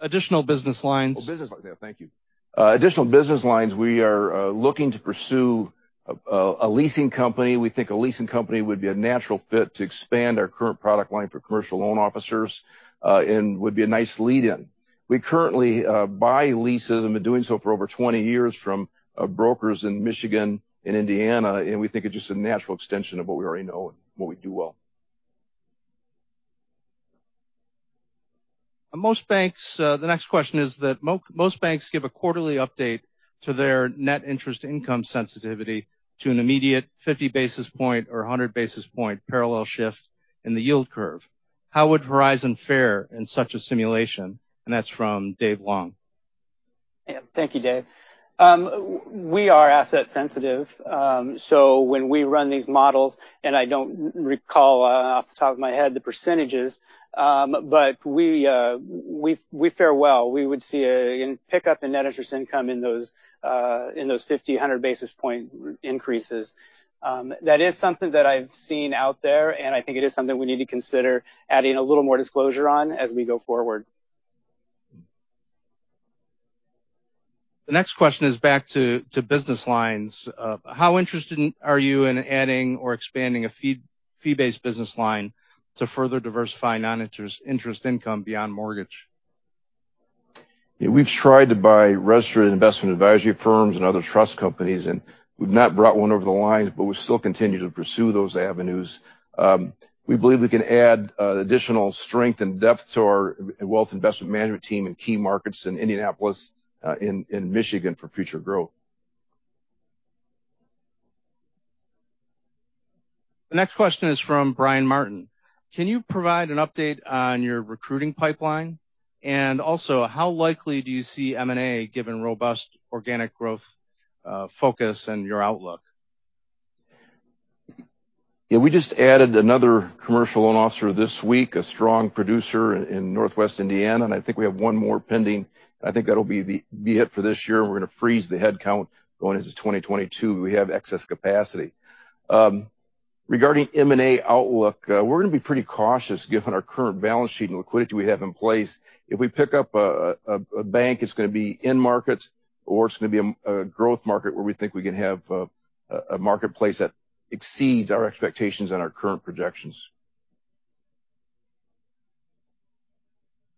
Additional business lines. Oh, business lines. Yeah. Thank you. Additional business lines, we are looking to pursue a leasing company. We think a leasing company would be a natural fit to expand our current product line for commercial loan officers, and would be a nice lead in. We currently buy leases and been doing so for over 20 years from brokers in Michigan and Indiana, and we think it's just a natural extension of what we already know and what we do well. The next question is that most banks give a quarterly update to their net interest income sensitivity to an immediate 50 basis points or 100 basis points parallel shift in the yield curve. How would Horizon fare in such a simulation? That's from Dave Long. Yeah. Thank you, Dave. We are asset sensitive. So when we run these models, and I don't recall off the top of my head the percentages, but we fare well. We would see a pick up in net interest income in those 50-basis points and 100-basis point increases. That is something that I've seen out there, and I think it is something we need to consider adding a little more disclosure on as we go forward. The next question is back to business lines. How interested are you in adding or expanding a fee-based business line to further diversify noninterest income beyond mortgage? Yeah, we've tried to buy registered investment advisory firms and other trust companies, and we've not brought one over the lines, but we still continue to pursue those avenues. We believe we can add additional strength and depth to our wealth investment management team in key markets in Indianapolis, in Michigan for future growth. The next question is from Brian Martin. Can you provide an update on your recruiting pipeline? How likely do you see M&A given robust organic growth, focus and your outlook? Yeah, we just added another commercial loan officer this week, a strong producer in Northwest Indiana, and I think we have one more pending. I think that'll be it for this year. We're gonna freeze the headcount going into 2022. We have excess capacity. Regarding M&A outlook, we're gonna be pretty cautious given our current balance sheet and liquidity we have in place. If we pick up a bank, it's gonna be in-market or it's gonna be a growth market where we think we can have a marketplace that exceeds our expectations and our current projections.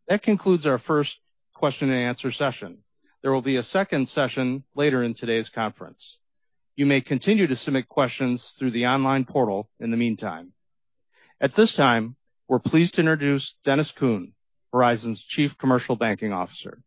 That concludes our first question and answer session. There will be a second session later in today's conference. You may continue to submit questions through the online portal in the meantime. At this time, we're pleased to introduce Dennis Kuhn, Horizon's Chief Commercial Banking Officer.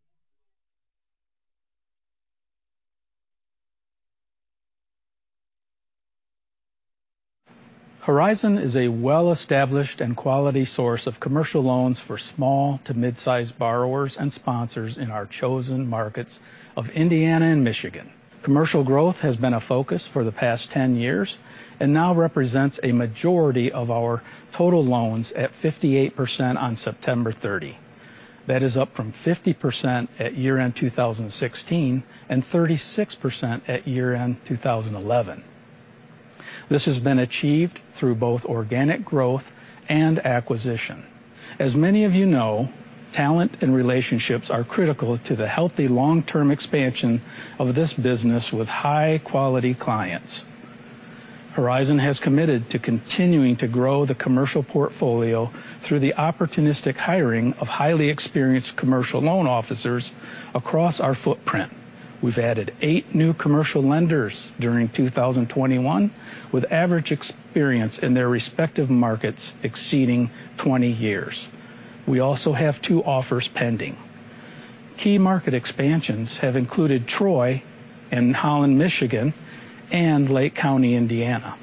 Horizon is a well-established and quality source of commercial loans for small to mid-sized borrowers and sponsors in our chosen markets of Indiana and Michigan. Commercial growth has been a focus for the past 10 years and now represents a majority of our total loans at 58% on September 30. That is up from 50% at year-end 2016, and 36% at year-end 2011. This has been achieved through both organic growth and acquisition. As many of you know, talent and relationships are critical to the healthy long-term expansion of this business with high-quality clients. Horizon has committed to continuing to grow the commercial portfolio through the opportunistic hiring of highly experienced commercial loan officers across our footprint. We've added eight new commercial lenders during 2021 with average experience in their respective markets exceeding 20 years. We also have two offers pending. Key market expansions have included Troy and Holland, Michigan, and Lake County, Indiana.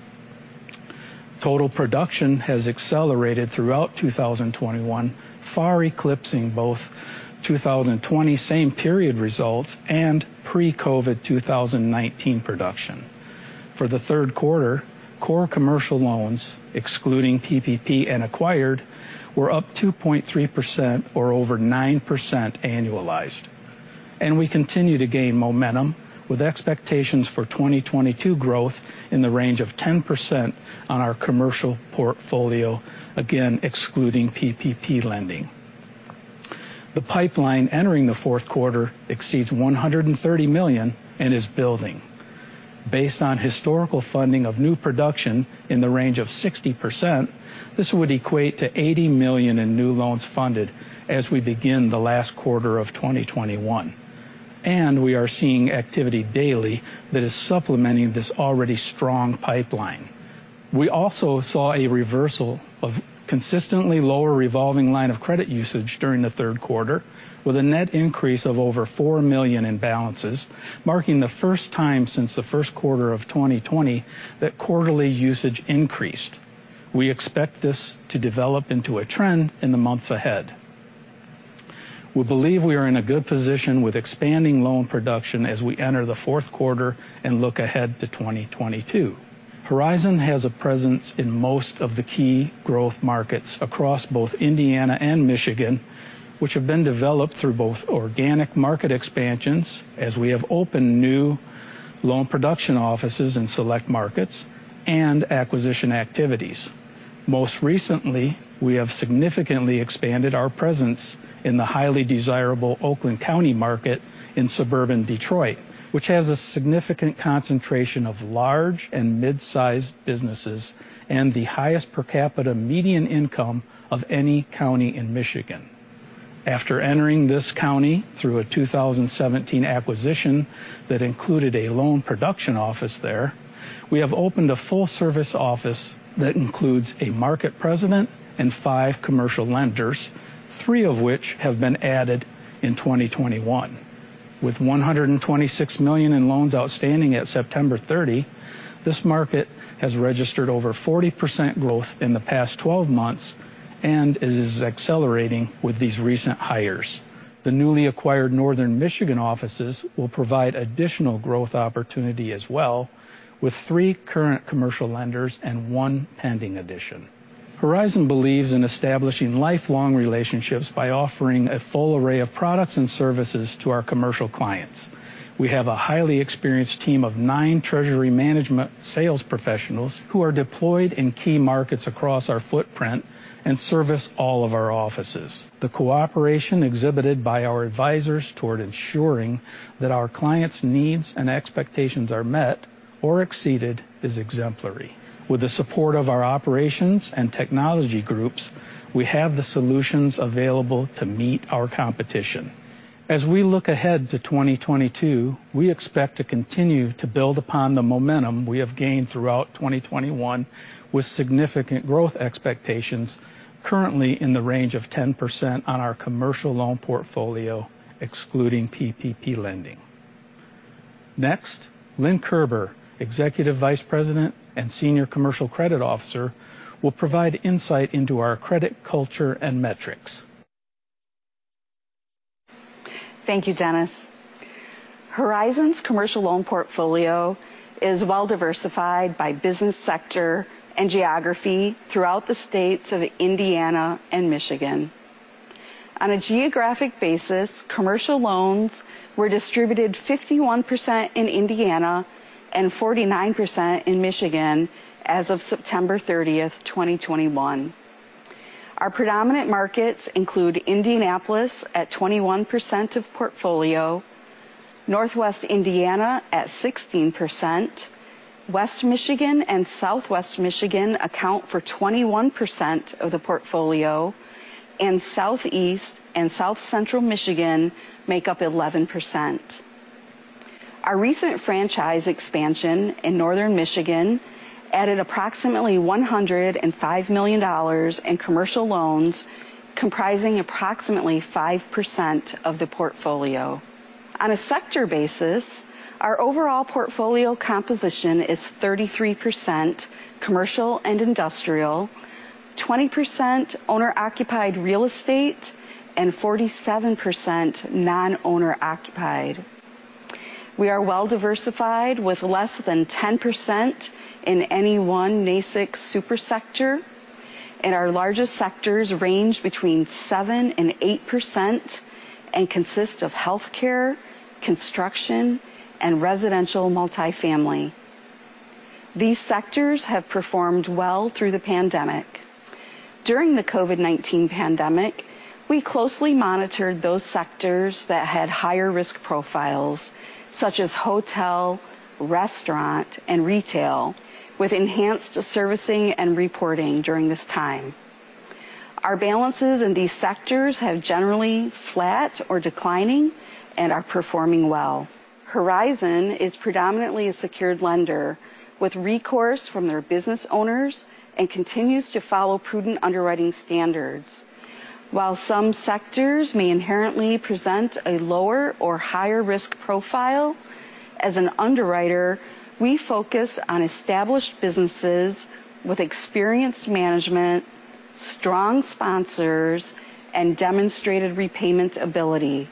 Total production has accelerated throughout 2021, far eclipsing both 2020 same period results and pre-COVID 2019 production. For the third quarter, core commercial loans, excluding PPP and acquired, were up 2.3% or over 9% annualized. We continue to gain momentum with expectations for 2022 growth in the range of 10% on our commercial portfolio, again, excluding PPP lending. The pipeline entering the fourth quarter exceeds $130 million and is building. Based on historical funding of new production in the range of 60%, this would equate to $80 million in new loans funded as we begin the last quarter of 2021. We are seeing activity daily that is supplementing this already strong pipeline. We also saw a reversal of consistently lower revolving line of credit usage during the third quarter with a net increase of over $4 million in balances, marking the first time since the first quarter of 2020 that quarterly usage increased. We expect this to develop into a trend in the months ahead. We believe we are in a good position with expanding loan production as we enter the fourth quarter and look ahead to 2022. Horizon has a presence in most of the key growth markets across both Indiana and Michigan, which have been developed through both organic market expansions as we have opened new loan production offices in select markets and acquisition activities. Most recently, we have significantly expanded our presence in the highly desirable Oakland County market in suburban Detroit, which has a significant concentration of large and mid-sized businesses and the highest per capita median income of any county in Michigan. After entering this county through a 2017 acquisition that included a loan production office there, we have opened a full-service office that includes a market president and five commercial lenders, three of which have been added in 2021. With $126 million in loans outstanding at September 30, this market has registered over 40% growth in the past 12 months and is accelerating with these recent hires. The newly acquired Northern Michigan offices will provide additional growth opportunity as well, with three current commercial lenders and one pending addition. Horizon believes in establishing lifelong relationships by offering a full array of products and services to our commercial clients. We have a highly experienced team of nine treasury management sales professionals who are deployed in key markets across our footprint and service all of our offices. The cooperation exhibited by our advisors toward ensuring that our clients' needs and expectations are met or exceeded is exemplary. With the support of our operations and technology groups, we have the solutions available to meet our competition. As we look ahead to 2022, we expect to continue to build upon the momentum we have gained throughout 2021, with significant growth expectations currently in the range of 10% on our commercial loan portfolio, excluding PPP lending. Next, Lynn Kerber, Executive Vice President and Senior Commercial Credit Officer, will provide insight into our credit culture and metrics. Thank you, Dennis. Horizon's commercial loan portfolio is well-diversified by business sector and geography throughout the states of Indiana and Michigan. On a geographic basis, commercial loans were distributed 51% in Indiana and 49% in Michigan as of September 30, 2021. Our predominant markets include Indianapolis at 21% of portfolio, Northwest Indiana at 16%, West Michigan and Southwest Michigan account for 21% of the portfolio, and Southeast and South Central Michigan make up 11%. Our recent franchise expansion in Northern Michigan added approximately $105 million in commercial loans, comprising approximately 5% of the portfolio. On a sector basis, our overall portfolio composition is 33% commercial and industrial, 20% owner-occupied real estate, and 47% non-owner occupied. We are well-diversified with less than 10% in any one NAICS super sector, and our largest sectors range between 7% and 8% and consist of healthcare, construction, and residential multifamily. These sectors have performed well through the pandemic. During the COVID-19 pandemic, we closely monitored those sectors that had higher risk profiles, such as hotel, restaurant, and retail, with enhanced servicing and reporting during this time. Our balances in these sectors have generally flat or declining and are performing well. Horizon is predominantly a secured lender with recourse from their business owners and continues to follow prudent underwriting standards. While some sectors may inherently present a lower or higher risk profile, as an underwriter, we focus on established businesses with experienced management, strong sponsors, and demonstrated repayment ability.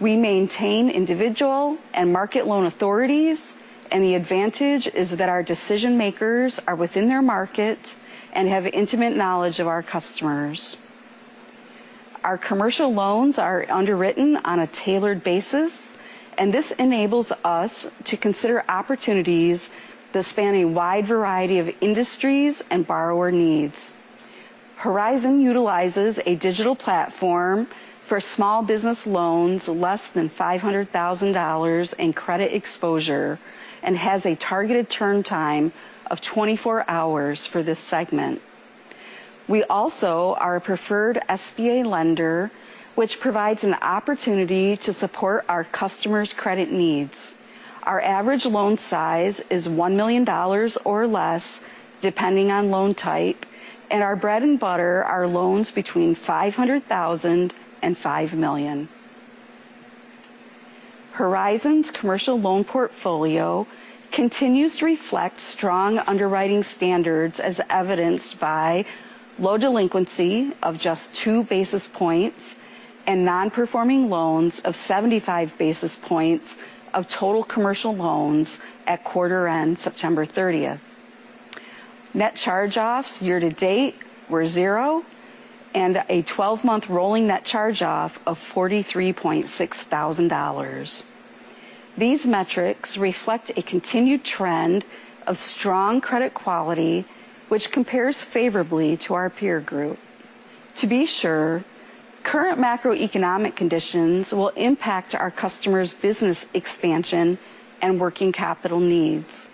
We maintain individual and market loan authorities, and the advantage is that our decision-makers are within their market and have intimate knowledge of our customers. Our commercial loans are underwritten on a tailored basis, and this enables us to consider opportunities that span a wide variety of industries and borrower needs. Horizon utilizes a digital platform for small business loans less than $500,000 in credit exposure and has a targeted turn time of 24 hours for this segment. We also are a preferred SBA lender, which provides an opportunity to support our customers' credit needs. Our average loan size is $1 million or less, depending on loan type, and our bread and butter are loans between $500,000 and $5 million. Horizon's commercial loan portfolio continues to reflect strong underwriting standards as evidenced by low delinquency of just 2 basis points and non-performing loans of 75 basis points of total commercial loans at quarter end September 30th. Net charge-offs year to date were zero and a 12-month rolling net charge-off of $43,600. These metrics reflect a continued trend of strong credit quality, which compares favorably to our peer group. To be sure, current macroeconomic conditions will impact our customers' business expansion and working capital needs.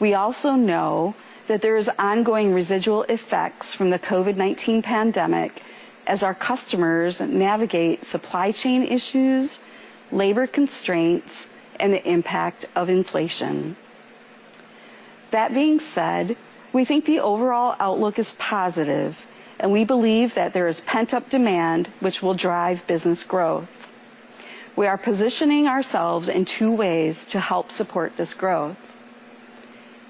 We also know that there is ongoing residual effects from the COVID-19 pandemic as our customers navigate supply chain issues, labor constraints, and the impact of inflation. That being said, we think the overall outlook is positive, and we believe that there is pent-up demand which will drive business growth. We are positioning ourselves in two ways to help support this growth.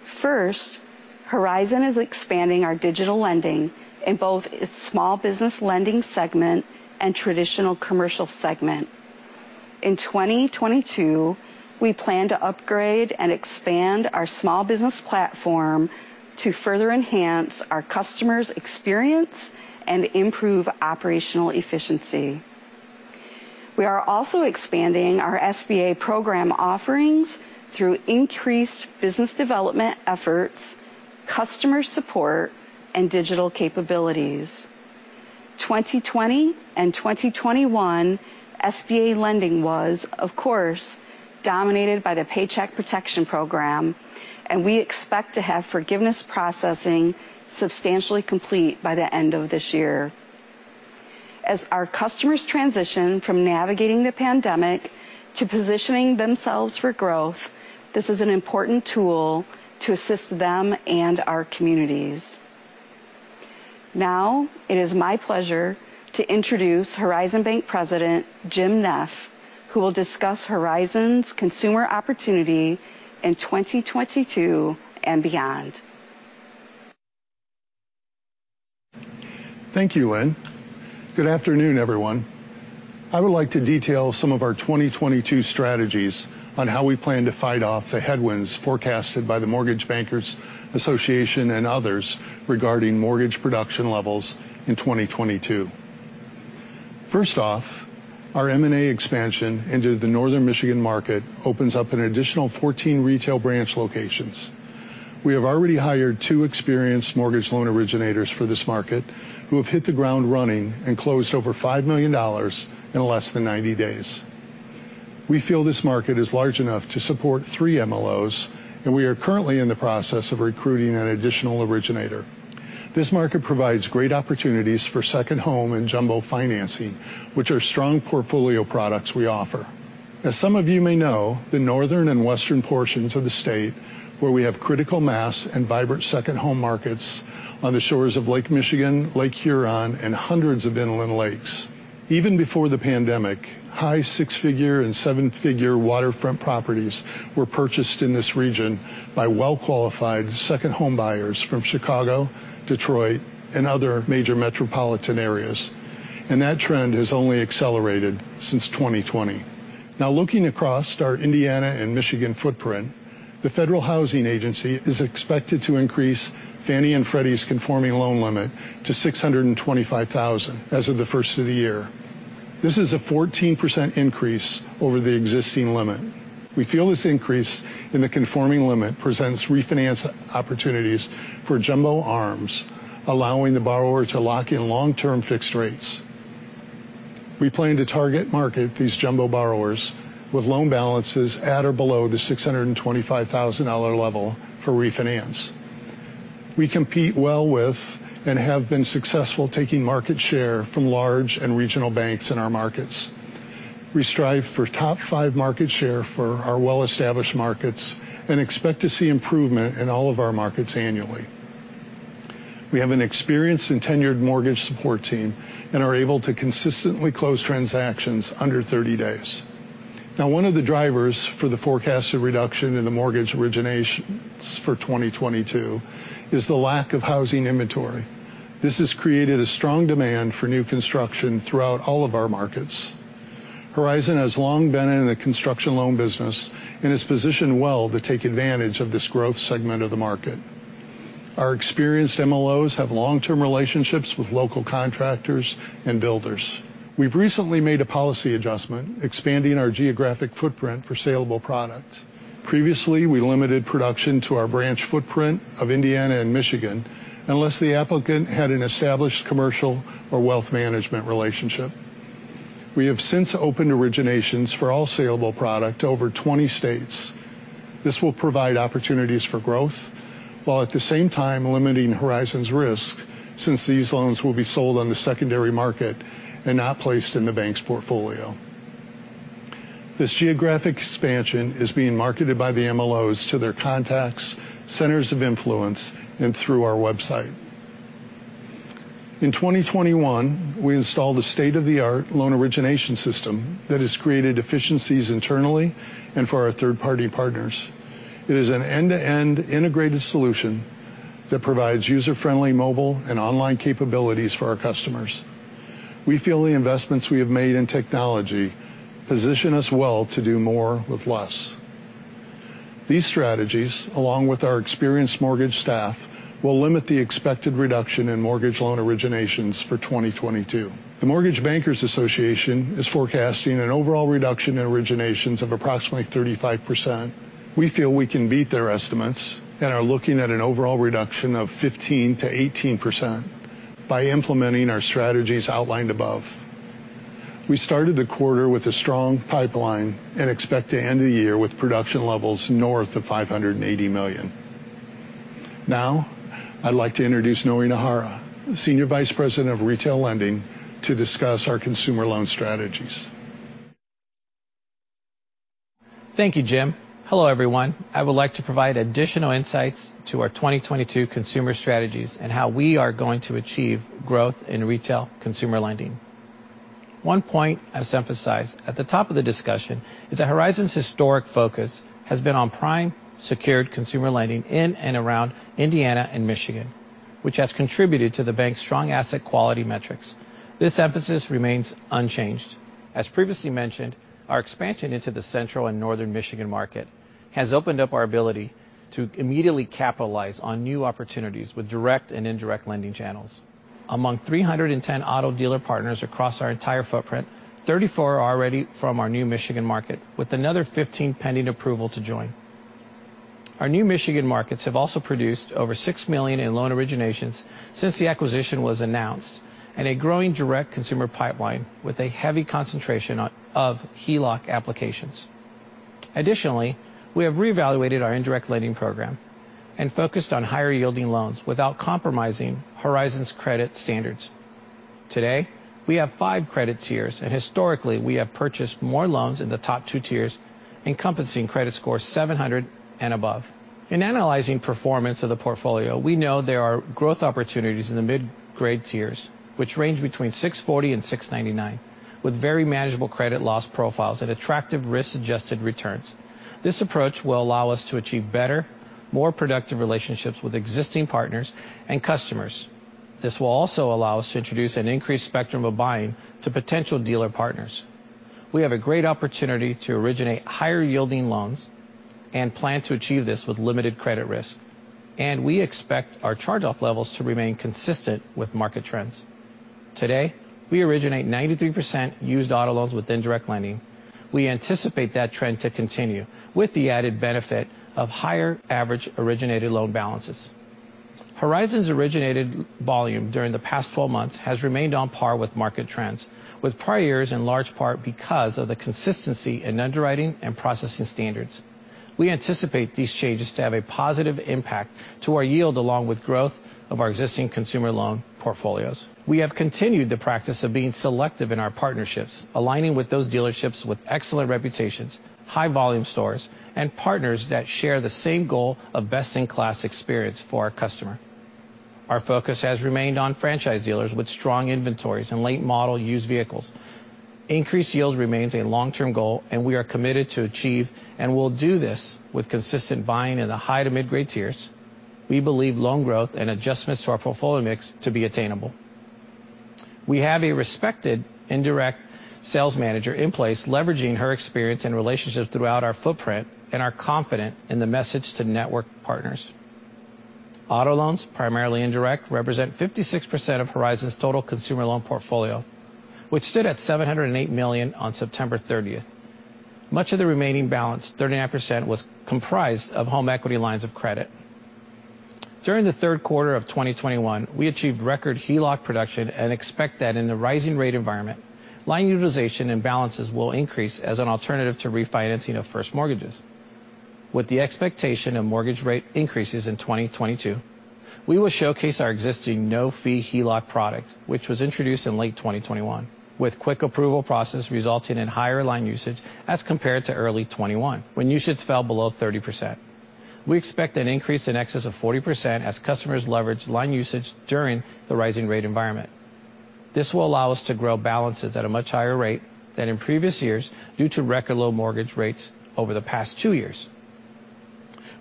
First, Horizon is expanding our digital lending in both its small business lending segment and traditional commercial segment. In 2022, we plan to upgrade and expand our small business platform to further enhance our customer's experience and improve operational efficiency. We are also expanding our SBA program offerings through increased business development efforts, customer support, and digital capabilities. 2020 and 2021 SBA lending was, of course, dominated by the Paycheck Protection Program, and we expect to have forgiveness processing substantially complete by the end of this year. As our customers transition from navigating the pandemic to positioning themselves for growth, this is an important tool to assist them and our communities. Now it is my pleasure to introduce Horizon Bank President, Jim Neff, who will discuss Horizon's consumer opportunity in 2022 and beyond. Thank you, Lynn. Good afternoon, everyone. I would like to detail some of our 2022 strategies on how we plan to fight off the headwinds forecasted by the Mortgage Bankers Association and others regarding mortgage production levels in 2022. First off, our M&A expansion into the Northern Michigan market opens up an additional 14 retail branch locations. We have already hired 2 experienced mortgage loan originators for this market who have hit the ground running and closed over $5 million in less than 90 days. We feel this market is large enough to support three MLOs, and we are currently in the process of recruiting an additional originator. This market provides great opportunities for second home and jumbo financing, which are strong portfolio products we offer. As some of you may know, the northern and western portions of the state where we have critical mass and vibrant second home markets on the shores of Lake Michigan, Lake Huron, and hundreds of inland lakes. Even before the pandemic, high six-figure and seven-figure waterfront properties were purchased in this region by well-qualified second home buyers from Chicago, Detroit, and other major metropolitan areas. That trend has only accelerated since 2020. Now looking across our Indiana and Michigan footprint, the Federal Housing Finance Agency is expected to increase Fannie Mae and Freddie Mac's conforming loan limit to $625,000 as of the first of the year. This is a 14% increase over the existing limit. We feel this increase in the conforming limit presents refinance opportunities for jumbo ARMs, allowing the borrower to lock in long-term fixed rates. We plan to target-market these jumbo borrowers with loan balances at or below the $625,000 level for refinance. We compete well with, and have been successful taking market share from large and regional banks in our markets. We strive for top five market share for our well-established markets and expect to see improvement in all of our markets annually. We have an experienced and tenured mortgage support team and are able to consistently close transactions under 30 days. Now, one of the drivers for the forecasted reduction in the mortgage originations for 2022 is the lack of housing inventory. This has created a strong demand for new construction throughout all of our markets. Horizon has long been in the construction loan business and is positioned well to take advantage of this growth segment of the market. Our experienced MLOs have long-term relationships with local contractors and builders. We've recently made a policy adjustment expanding our geographic footprint for saleable products. Previously, we limited production to our branch footprint of Indiana and Michigan, unless the applicant had an established commercial or wealth management relationship. We have since opened originations for all saleable product to over 20 states. This will provide opportunities for growth, while at the same time limiting Horizon's risk since these loans will be sold on the secondary market and not placed in the bank's portfolio. This geographic expansion is being marketed by the MLOs to their contacts, centers of influence, and through our website. In 2021, we installed a state-of-the-art loan origination system that has created efficiencies internally and for our third-party partners. It is an end-to-end integrated solution that provides user-friendly mobile and online capabilities for our customers. We feel the investments we have made in technology position us well to do more with less. These strategies, along with our experienced mortgage staff, will limit the expected reduction in mortgage loan originations for 2022. The Mortgage Bankers Association is forecasting an overall reduction in originations of approximately 35%. We feel we can beat their estimates and are looking at an overall reduction of 15%-18% by implementing our strategies outlined above. We started the quarter with a strong pipeline and expect to end the year with production levels north of $580 million. Now, I'd like to introduce Noe Najera, Senior Vice President of Retail Lending, to discuss our consumer loan strategies. Thank you, Jim. Hello, everyone. I would like to provide additional insights to our 2022 consumer strategies and how we are going to achieve growth in retail consumer lending. One point, as emphasized at the top of the discussion, is that Horizon's historic focus has been on prime secured consumer lending in and around Indiana and Michigan, which has contributed to the bank's strong asset quality metrics. This emphasis remains unchanged. As previously mentioned, our expansion into the Central and Northern Michigan market has opened up our ability to immediately capitalize on new opportunities with direct and indirect lending channels. Among 310 auto dealer partners across our entire footprint, 34 are already from our new Michigan market, with another 15 pending approval to join. Our new Michigan markets have also produced over $6 million in loan originations since the acquisition was announced, and a growing direct consumer pipeline with a heavy concentration of HELOC applications. Additionally, we have reevaluated our indirect lending program and focused on higher yielding loans without compromising Horizon's credit standards. Today, we have five credit tiers, and historically, we have purchased more loans in the top two tiers, encompassing credit score 700 and above. In analyzing performance of the portfolio, we know there are growth opportunities in the mid-grade tiers, which range between 640-699, with very manageable credit loss profiles and attractive risk-adjusted returns. This approach will allow us to achieve better, more productive relationships with existing partners and customers. This will also allow us to introduce an increased spectrum of buying to potential dealer partners. We have a great opportunity to originate higher-yielding loans and plan to achieve this with limited credit risk, and we expect our charge-off levels to remain consistent with market trends. Today, we originate 93% used auto loans with indirect lending. We anticipate that trend to continue, with the added benefit of higher average originated loan balances. Horizon's originated volume during the past 12 months has remained on par with market trends, with prior years in large part because of the consistency in underwriting and processing standards. We anticipate these changes to have a positive impact to our yield, along with growth of our existing consumer loan portfolios. We have continued the practice of being selective in our partnerships, aligning with those dealerships with excellent reputations, high volume stores, and partners that share the same goal of best-in-class experience for our customer. Our focus has remained on franchise dealers with strong inventories and late model used vehicles. Increased yield remains a long-term goal, and we are committed to achieve, and we'll do this with consistent buying in the high to mid-grade tiers. We believe loan growth and adjustments to our portfolio mix to be attainable. We have a respected indirect sales manager in place, leveraging her experience and relationships throughout our footprint and are confident in the message to network partners. Auto loans, primarily indirect, represent 56% of Horizon's total consumer loan portfolio, which stood at $708 million on September 30. Much of the remaining balance, 39%, was comprised of Home Equity Lines of Credit. During the third quarter of 2021, we achieved record HELOC production and expect that in the rising rate environment, line utilization and balances will increase as an alternative to refinancing of first mortgages. With the expectation of mortgage rate increases in 2022, we will showcase our existing no-fee HELOC product, which was introduced in late 2021, with quick approval process resulting in higher line usage as compared to early 2021, when usage fell below 30%. We expect an increase in excess of 40% as customers leverage line usage during the rising rate environment. This will allow us to grow balances at a much higher rate than in previous years due to record low mortgage rates over the past two years.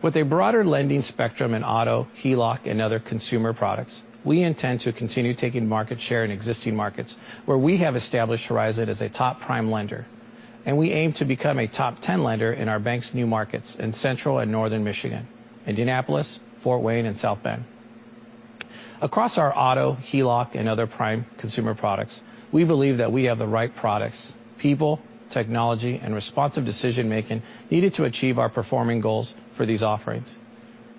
With a broader lending spectrum in auto, HELOC, and other consumer products, we intend to continue taking market share in existing markets where we have established Horizon as a top prime lender, and we aim to become a top ten lender in our bank's new markets in Central and Northern Michigan, Indianapolis, Fort Wayne, and South Bend. Across our auto, HELOC, and other prime consumer products, we believe that we have the right products, people, technology, and responsive decision-making needed to achieve our performance goals for these offerings.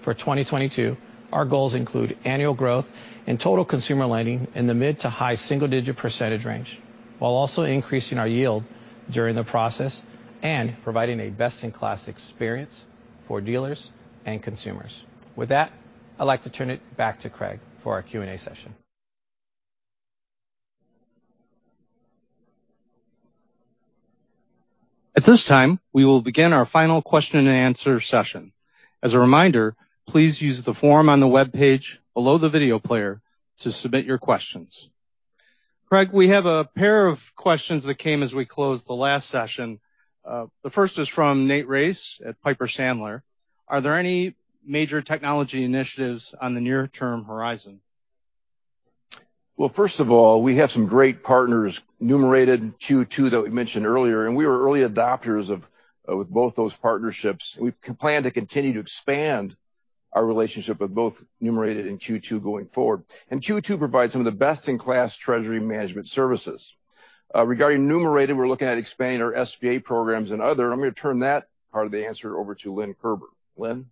For 2022, our goals include annual growth in total consumer lending in the mid- to high single-digit % range, while also increasing our yield during the process and providing a best-in-class experience for dealers and consumers. With that, I'd like to turn it back to Craig for our Q&A session. At this time, we will begin our final question and answer session. As a reminder, please use the form on the webpage below the video player to submit your questions. Craig, we have a pair of questions that came as we closed the last session. The first is from Nate Race at Piper Sandler. Are there any major technology initiatives on the near-term horizon? Well, first of all, we have some great partners, Numerated and Q2, that we mentioned earlier, and we were early adopters of, with both those partnerships. We plan to continue to expand our relationship with both Numerated and Q2 going forward. Q2 provides some of the best-in-class treasury management services. Regarding Numerated, we're looking at expanding our SBA programs and other. I'm gonna turn that part of the answer over to Lynn Kerber. Lynn?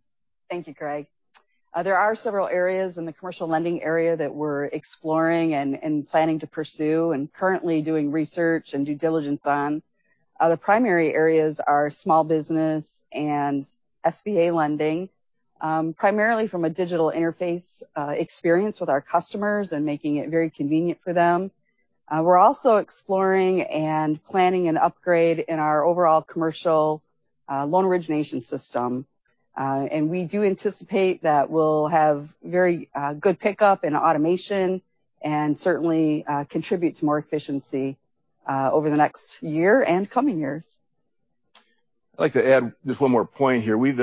Thank you, Craig. There are several areas in the commercial lending area that we're exploring and planning to pursue and currently doing research and due diligence on. The primary areas are small business and SBA lending, primarily from a digital interface experience with our customers and making it very convenient for them. We're also exploring and planning an upgrade in our overall commercial Loan origination system. We do anticipate that we'll have very good pickup and automation, and certainly contribute to more efficiency over the next year and coming years. I'd like to add just one more point here. We've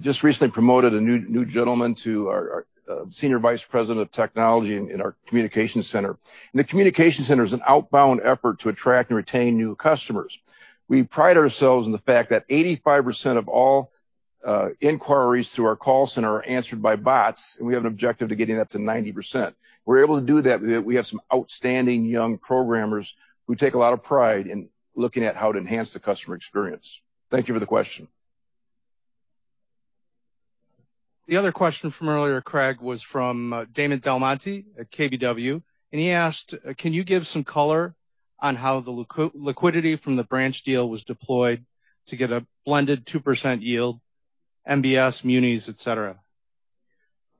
just recently promoted a new gentleman to our senior vice president of technology in our communication center. The communication center is an outbound effort to attract and retain new customers. We pride ourselves in the fact that 85% of all inquiries through our call center are answered by bots, and we have an objective to getting that to 90%. We're able to do that. We have some outstanding young programmers who take a lot of pride in looking at how to enhance the customer experience. Thank you for the question. The other question from earlier, Craig, was from Damon DelMonte at KBW, and he asked, Can you give some color on how the liquidity from the branch deal was deployed to get a blended 2% yield, MBS, munis, et cetera?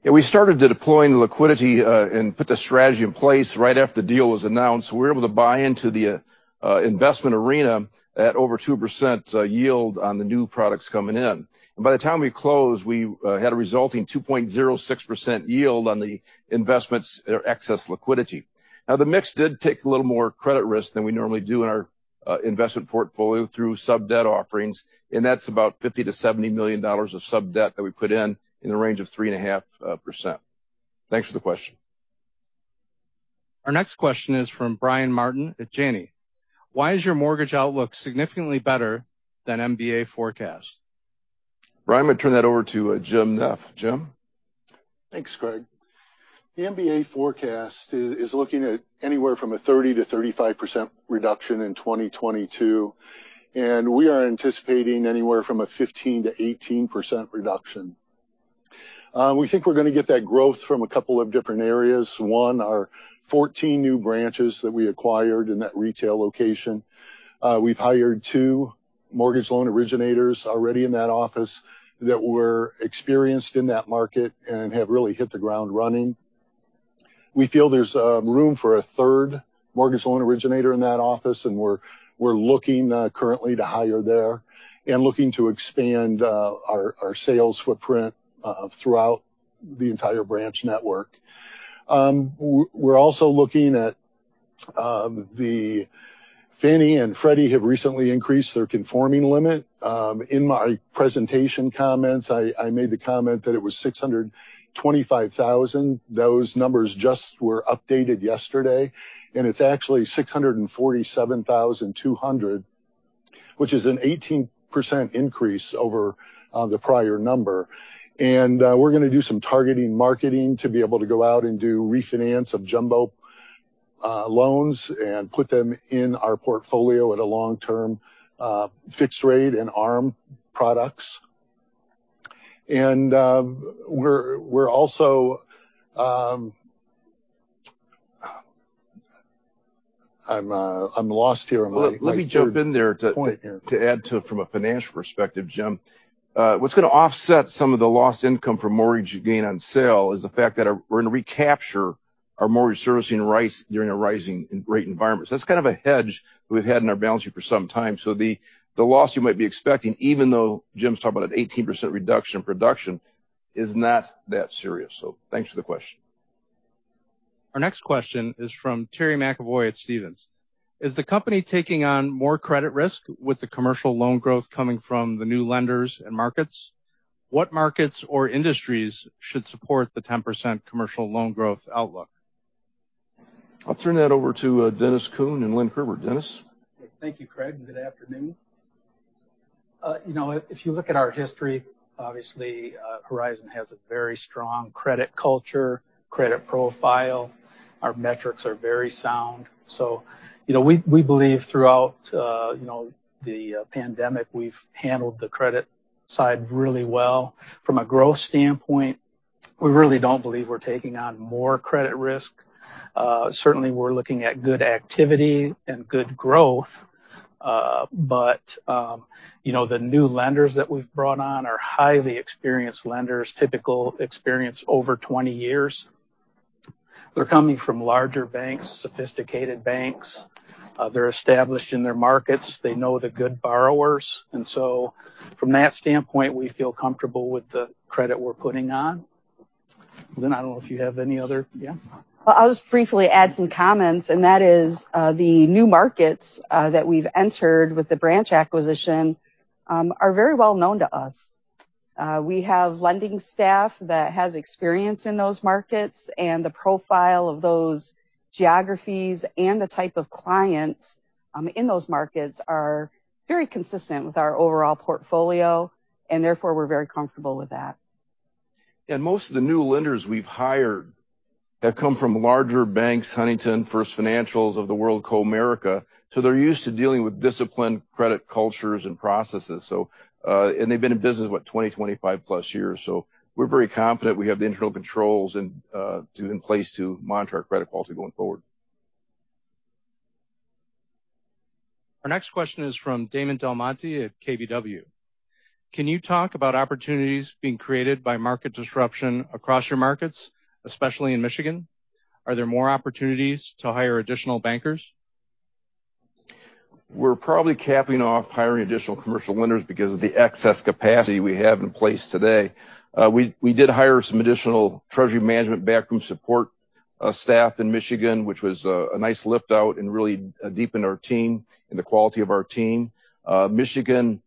Yeah, we started deploying the liquidity and put the strategy in place right after the deal was announced. We were able to buy into the investment arena at over 2% yield on the new products coming in. By the time we closed, we had a resulting 2.06% yield on the investment's excess liquidity. Now, the mix did take a little more credit risk than we normally do in our investment portfolio through sub-debt offerings, and that's about $50 million-$70 million of sub-debt that we put in the range of 3.5%. Thanks for the question. Our next question is from Brian Martin at Janney. Why is your mortgage outlook significantly better than MBA forecast? Brian, I'm gonna turn that over to Jim Neff. Jim. Thanks, Craig. The MBA forecast is looking at anywhere from a 30%-35% reduction in 2022, and we are anticipating anywhere from a 15%-18% reduction. We think we're gonna get that growth from a couple of different areas. One, our 14 new branches that we acquired in that retail location. We've hired two mortgage loan originators already in that office that were experienced in that market and have really hit the ground running. We feel there's room for a third mortgage loan originator in that office, and we're looking currently to hire there and looking to expand our sales footprint throughout the entire branch network. We're also looking at Fannie and Freddie have recently increased their conforming limit. In my presentation comments, I made the comment that it was $625,000. Those numbers just were updated yesterday, and it's actually $647,200, which is an 18% increase over the prior number. We're gonna do some targeting marketing to be able to go out and do refinance of jumbo loans and put them in our portfolio at a long-term fixed rate and ARM products. I'm lost here on my third point here. Let me jump in there to add to it from a financial perspective, Jim. What's gonna offset some of the lost income from mortgage gain on sale is the fact that we're gonna recapture our mortgage servicing rights during a rising rate environment. That's kind of a hedge we've had in our balance sheet for some time. The loss you might be expecting, even though Jim's talking about an 18% reduction in production, is not that serious. Thanks for the question. Our next question is from Terry McEvoy at Stephens. "Is the company taking on more credit risk with the commercial loan growth coming from the new lenders and markets? What markets or industries should support the 10% commercial loan growth outlook? I'll turn that over to Dennis Kuhn and Lynn Kerber. Dennis. Thank you, Craig, and good afternoon. You know, if you look at our history, obviously, Horizon has a very strong credit culture, credit profile. Our metrics are very sound. You know, we believe throughout, you know, the pandemic, we've handled the credit side really well. From a growth standpoint, we really don't believe we're taking on more credit risk. Certainly we're looking at good activity and good growth, but you know, the new lenders that we've brought on are highly experienced lenders, typical experience over 20 years. They're coming from larger banks, sophisticated banks. They're established in their markets. They know the good borrowers. From that standpoint, we feel comfortable with the credit we're putting on. Lynn, I don't know if you have any other. Yeah. I'll just briefly add some comments, and that is, the new markets that we've entered with the branch acquisition are very well known to us. We have lending staff that has experience in those markets and the profile of those geographies and the type of clients in those markets are very consistent with our overall portfolio and therefore we're very comfortable with that. Most of the new lenders we've hired have come from larger banks, Huntington, First Financial of the world, Comerica, so they're used to dealing with disciplined credit cultures and processes. They've been in business, what, 20-25+ years. We're very confident we have the internal controls in place to monitor our credit quality going forward. Our next question is from Damon DelMonte at KBW. Can you talk about opportunities being created by market disruption across your markets, especially in Michigan? Are there more opportunities to hire additional bankers? We're probably capping off hiring additional commercial lenders because of the excess capacity we have in place today. We did hire some additional treasury management back room support staff in Michigan, which was a nice lift out and really deepened our team and the quality of our team. Michigan,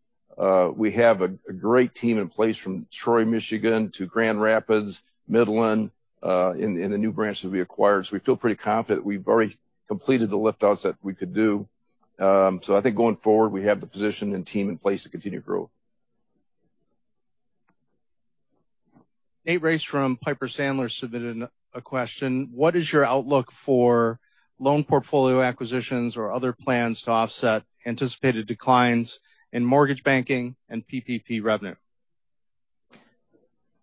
we have a great team in place from Troy, Michigan to Grand Rapids, Midland, in the new branches we acquired. We feel pretty confident we've already completed the lift outs that we could do. I think going forward, we have the position and team in place to continue to grow. Nate Race from Piper Sandler submitted a question. What is your outlook for loan portfolio acquisitions or other plans to offset anticipated declines in mortgage banking and PPP revenue?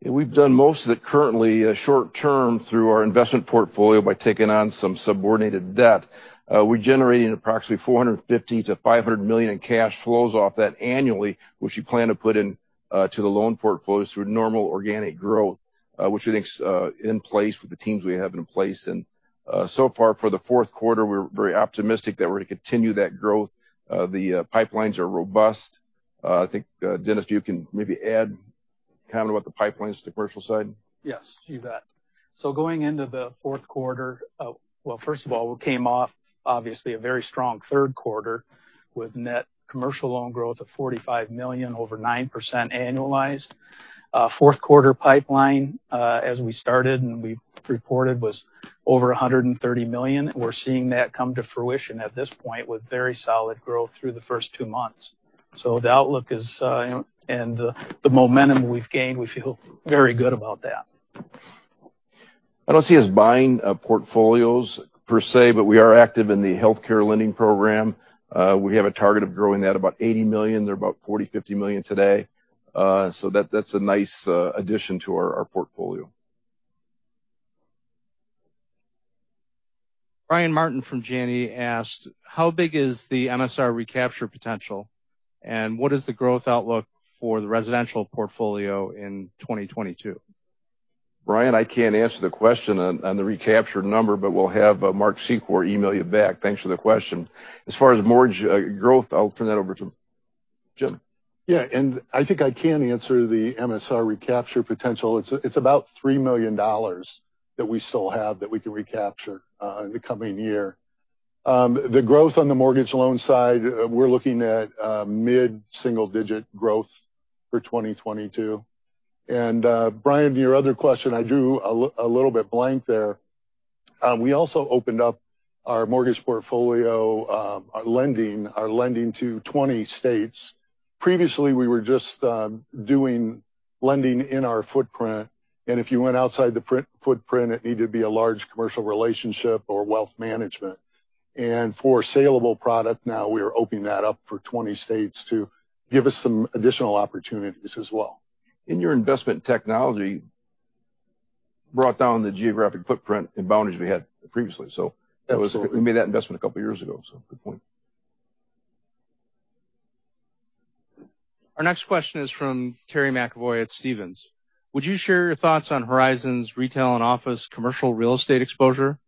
We've done most of it currently, short-term through our investment portfolio by taking on some subordinated debt. We're generating approximately $450 million-$500 million in cash flows off that annually, which we plan to put in to the loan portfolio through normal organic growth, which we think is in place with the teams we have in place. So far for the fourth quarter, we're very optimistic that we're gonna continue that growth. The pipelines are robust. I think, Dennis, you can maybe add kind of what the pipelines to the commercial side. Yes, you bet. Going into the fourth quarter, first of all, we came off obviously a very strong third quarter with net commercial loan growth of $45 million, over 9% annualized. Fourth quarter pipeline, as we started and we reported, was over $130 million. We're seeing that come to fruition at this point with very solid growth through the first two months. The outlook is, and the momentum we've gained, we feel very good about that. I don't see us buying portfolios per se, but we are active in the healthcare lending program. We have a target of growing that about $80 million. They're about $40 million-$50 million today. That's a nice addition to our portfolio. Brian Martin from Janney asked, How big is the MSR recapture potential? And what is the growth outlook for the residential portfolio in 2022? Brian, I can't answer the question on the recapture number, but we'll have Mark Secor email you back. Thanks for the question. As far as mortgage growth, I'll turn that over to Jim. Yeah. I think I can answer the MSR recapture potential. It's about $3 million that we still have that we can recapture in the coming year. The growth on the mortgage loan side, we're looking at mid-single digit growth for 2022. Brian, your other question, I drew a little bit blank there. We also opened up our mortgage portfolio, our lending to 20 states. Previously, we were just doing lending in our footprint. If you went outside the footprint, it needed to be a large commercial relationship or wealth management. For saleable product, now we are opening that up for 20 states to give us some additional opportunities as well. Your investment technology brought down the geographic footprint and boundaries we had previously. Absolutely. We made that investment a couple of years ago, so good point. Our next question is from Terry McEvoy at Stephens. Would you share your thoughts on Horizon's retail and office commercial real estate exposure,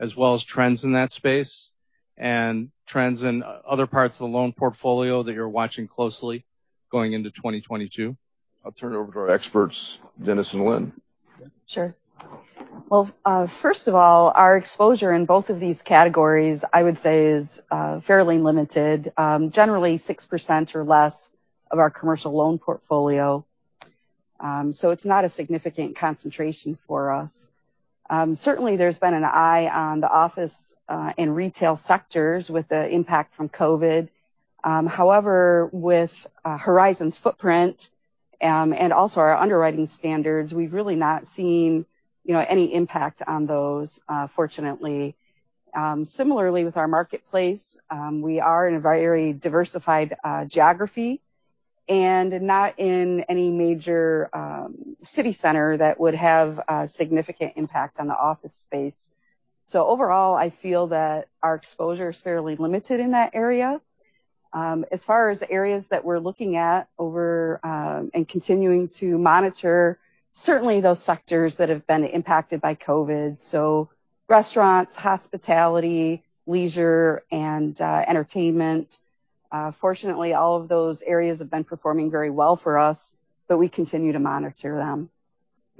as well as trends in that space and trends in other parts of the loan portfolio that you're watching closely going into 2022? I'll turn it over to our experts, Dennis and Lynn. Sure. Well, first of all, our exposure in both of these categories, I would say, is fairly limited, generally 6% or less of our commercial loan portfolio. So it's not a significant concentration for us. Certainly there's been an eye on the office and retail sectors with the impact from COVID-19. However, with Horizon's footprint and also our underwriting standards, we've really not seen, you know, any impact on those, fortunately. Similarly with our marketplace, we are in a very diversified geography and not in any major city center that would have a significant impact on the office space. So overall, I feel that our exposure is fairly limited in that area. As far as areas that we're looking at over, and continuing to monitor, certainly those sectors that have been impacted by COVID. Restaurants, hospitality, leisure, and entertainment. Fortunately, all of those areas have been performing very well for us, but we continue to monitor them.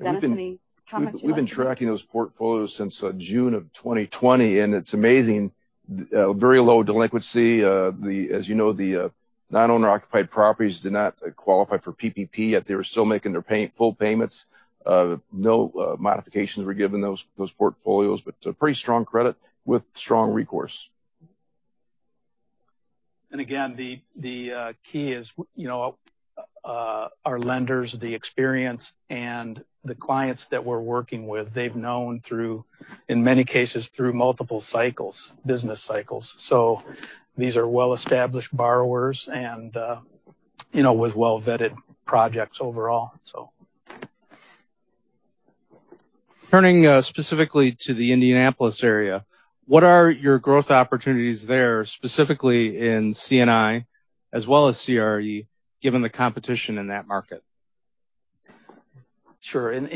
Dennis, any comments you'd like to make? We've been tracking those portfolios since June 2020, and it's amazing. Very low delinquency. As you know, non-owner occupied properties did not qualify for PPP, yet they were still making their full payments. No modifications were given those portfolios, but pretty strong credit with strong recourse. Again, the key is, you know, our lenders, the experience and the clients that we're working with. They've known through, in many cases, through multiple cycles, business cycles. These are well-established borrowers and, you know, with well-vetted projects overall. Turning, specifically to the Indianapolis area, what are your growth opportunities there, specifically in C&I as well as CRE, given the competition in that market? Sure. In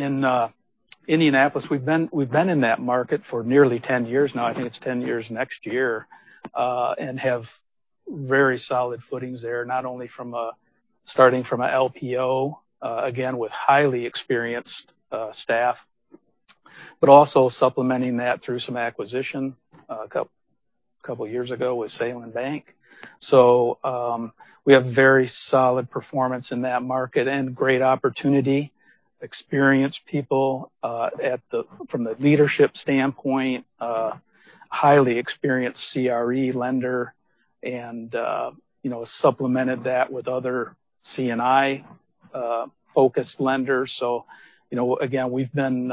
Indianapolis, we've been in that market for nearly 10 years now, I think it's 10 years next year and have very solid footing there, not only starting from a LPO, again, with highly experienced staff, also supplementing that through some acquisition a couple years ago with Salin Bank. We have very solid performance in that market and great opportunity. Experienced people from the leadership standpoint, highly experienced CRE lender and, you know, supplemented that with other C&I focused lenders. You know, again, we've been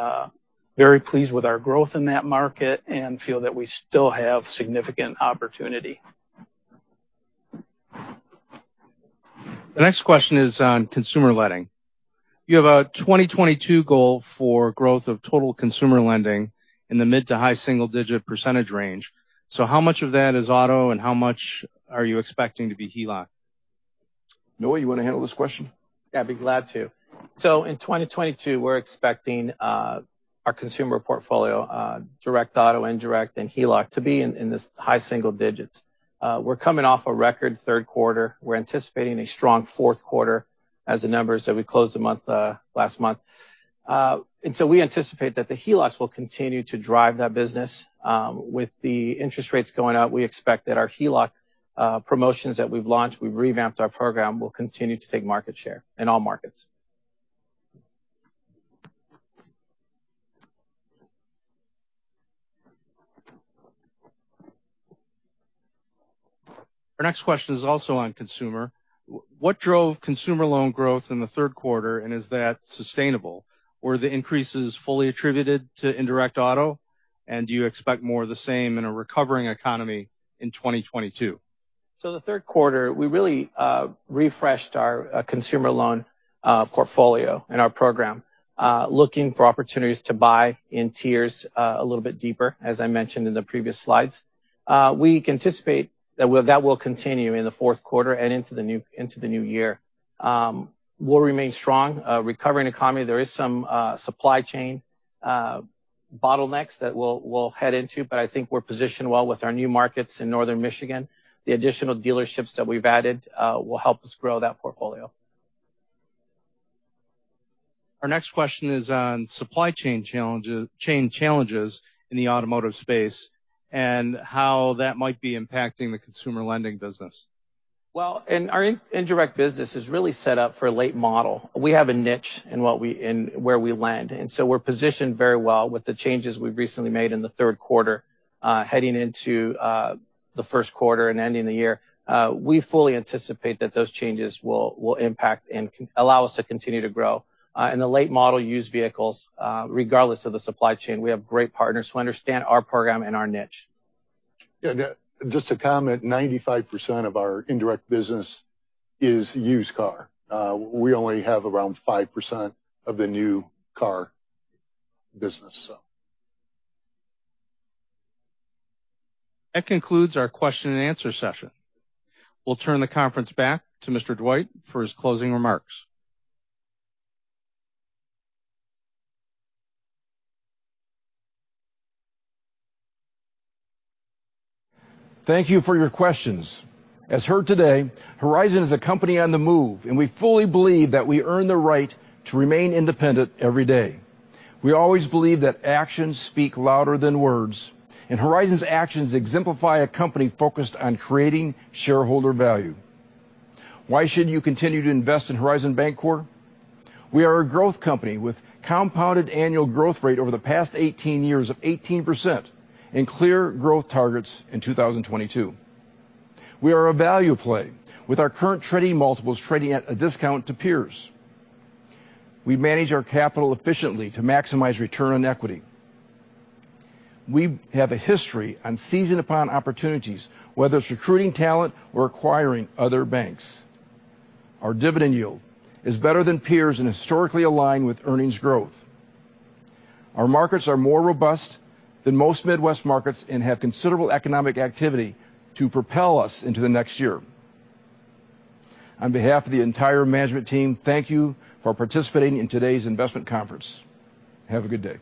very pleased with our growth in that market and feel that we still have significant opportunity. The next question is on consumer lending. You have a 2022 goal for growth of total consumer lending in the mid- to high-single-digit percentage range. How much of that is auto and how much are you expecting to be HELOC? Noe, you wanna handle this question? Yeah, I'd be glad to. In 2022, we're expecting our consumer portfolio, direct auto, indirect, and HELOC to be in this high single digits. We're coming off a record third quarter. We're anticipating a strong fourth quarter as the numbers that we closed the month last month. We anticipate that the HELOCs will continue to drive that business. With the interest rates going up, we expect that our HELOC promotions that we've launched, we've revamped our program, will continue to take market share in all markets. Our next question is also on consumer. What drove consumer loan growth in the third quarter, and is that sustainable? Were the increases fully attributed to indirect auto? And do you expect more of the same in a recovering economy in 2022? The third quarter, we really refreshed our consumer loan portfolio and our program, looking for opportunities to buy indirect a little bit deeper, as I mentioned in the previous slides. We anticipate that will continue in the fourth quarter and into the new year. We'll remain strong in a recovering economy. There is some supply chain bottlenecks that we'll head into, but I think we're positioned well with our new markets in Northern Michigan. The additional dealerships that we've added will help us grow that portfolio. Our next question is on supply chain challenges in the automotive space and how that might be impacting the consumer lending business. Well, our indirect business is really set up for a late model. We have a niche in where we lend, and so we're positioned very well with the changes we've recently made in the third quarter heading into the first quarter and ending the year. We fully anticipate that those changes will allow us to continue to grow in the late model used vehicles, regardless of the supply chain. We have great partners who understand our program and our niche. Yeah, yeah. Just to comment, 95% of our indirect business is used car. We only have around 5% of the new car business. That concludes our question and answer session. We'll turn the conference back to Mr. Dwight for his closing remarks. Thank you for your questions. As heard today, Horizon is a company on the move, and we fully believe that we earn the right to remain independent every day. We always believe that actions speak louder than words, and Horizon's actions exemplify a company focused on creating shareholder value. Why should you continue to invest in Horizon Bancorp? We are a growth company with compounded annual growth rate over the past 18 years of 18% and clear growth targets in 2022. We are a value play with our current trading multiples trading at a discount to peers. We manage our capital efficiently to maximize return on equity. We have a history of seizing upon opportunities, whether it's recruiting talent or acquiring other banks. Our dividend yield is better than peers and historically aligned with earnings growth. Our markets are more robust than most Midwest markets and have considerable economic activity to propel us into the next year. On behalf of the entire management team, thank you for participating in today's investment conference. Have a good day.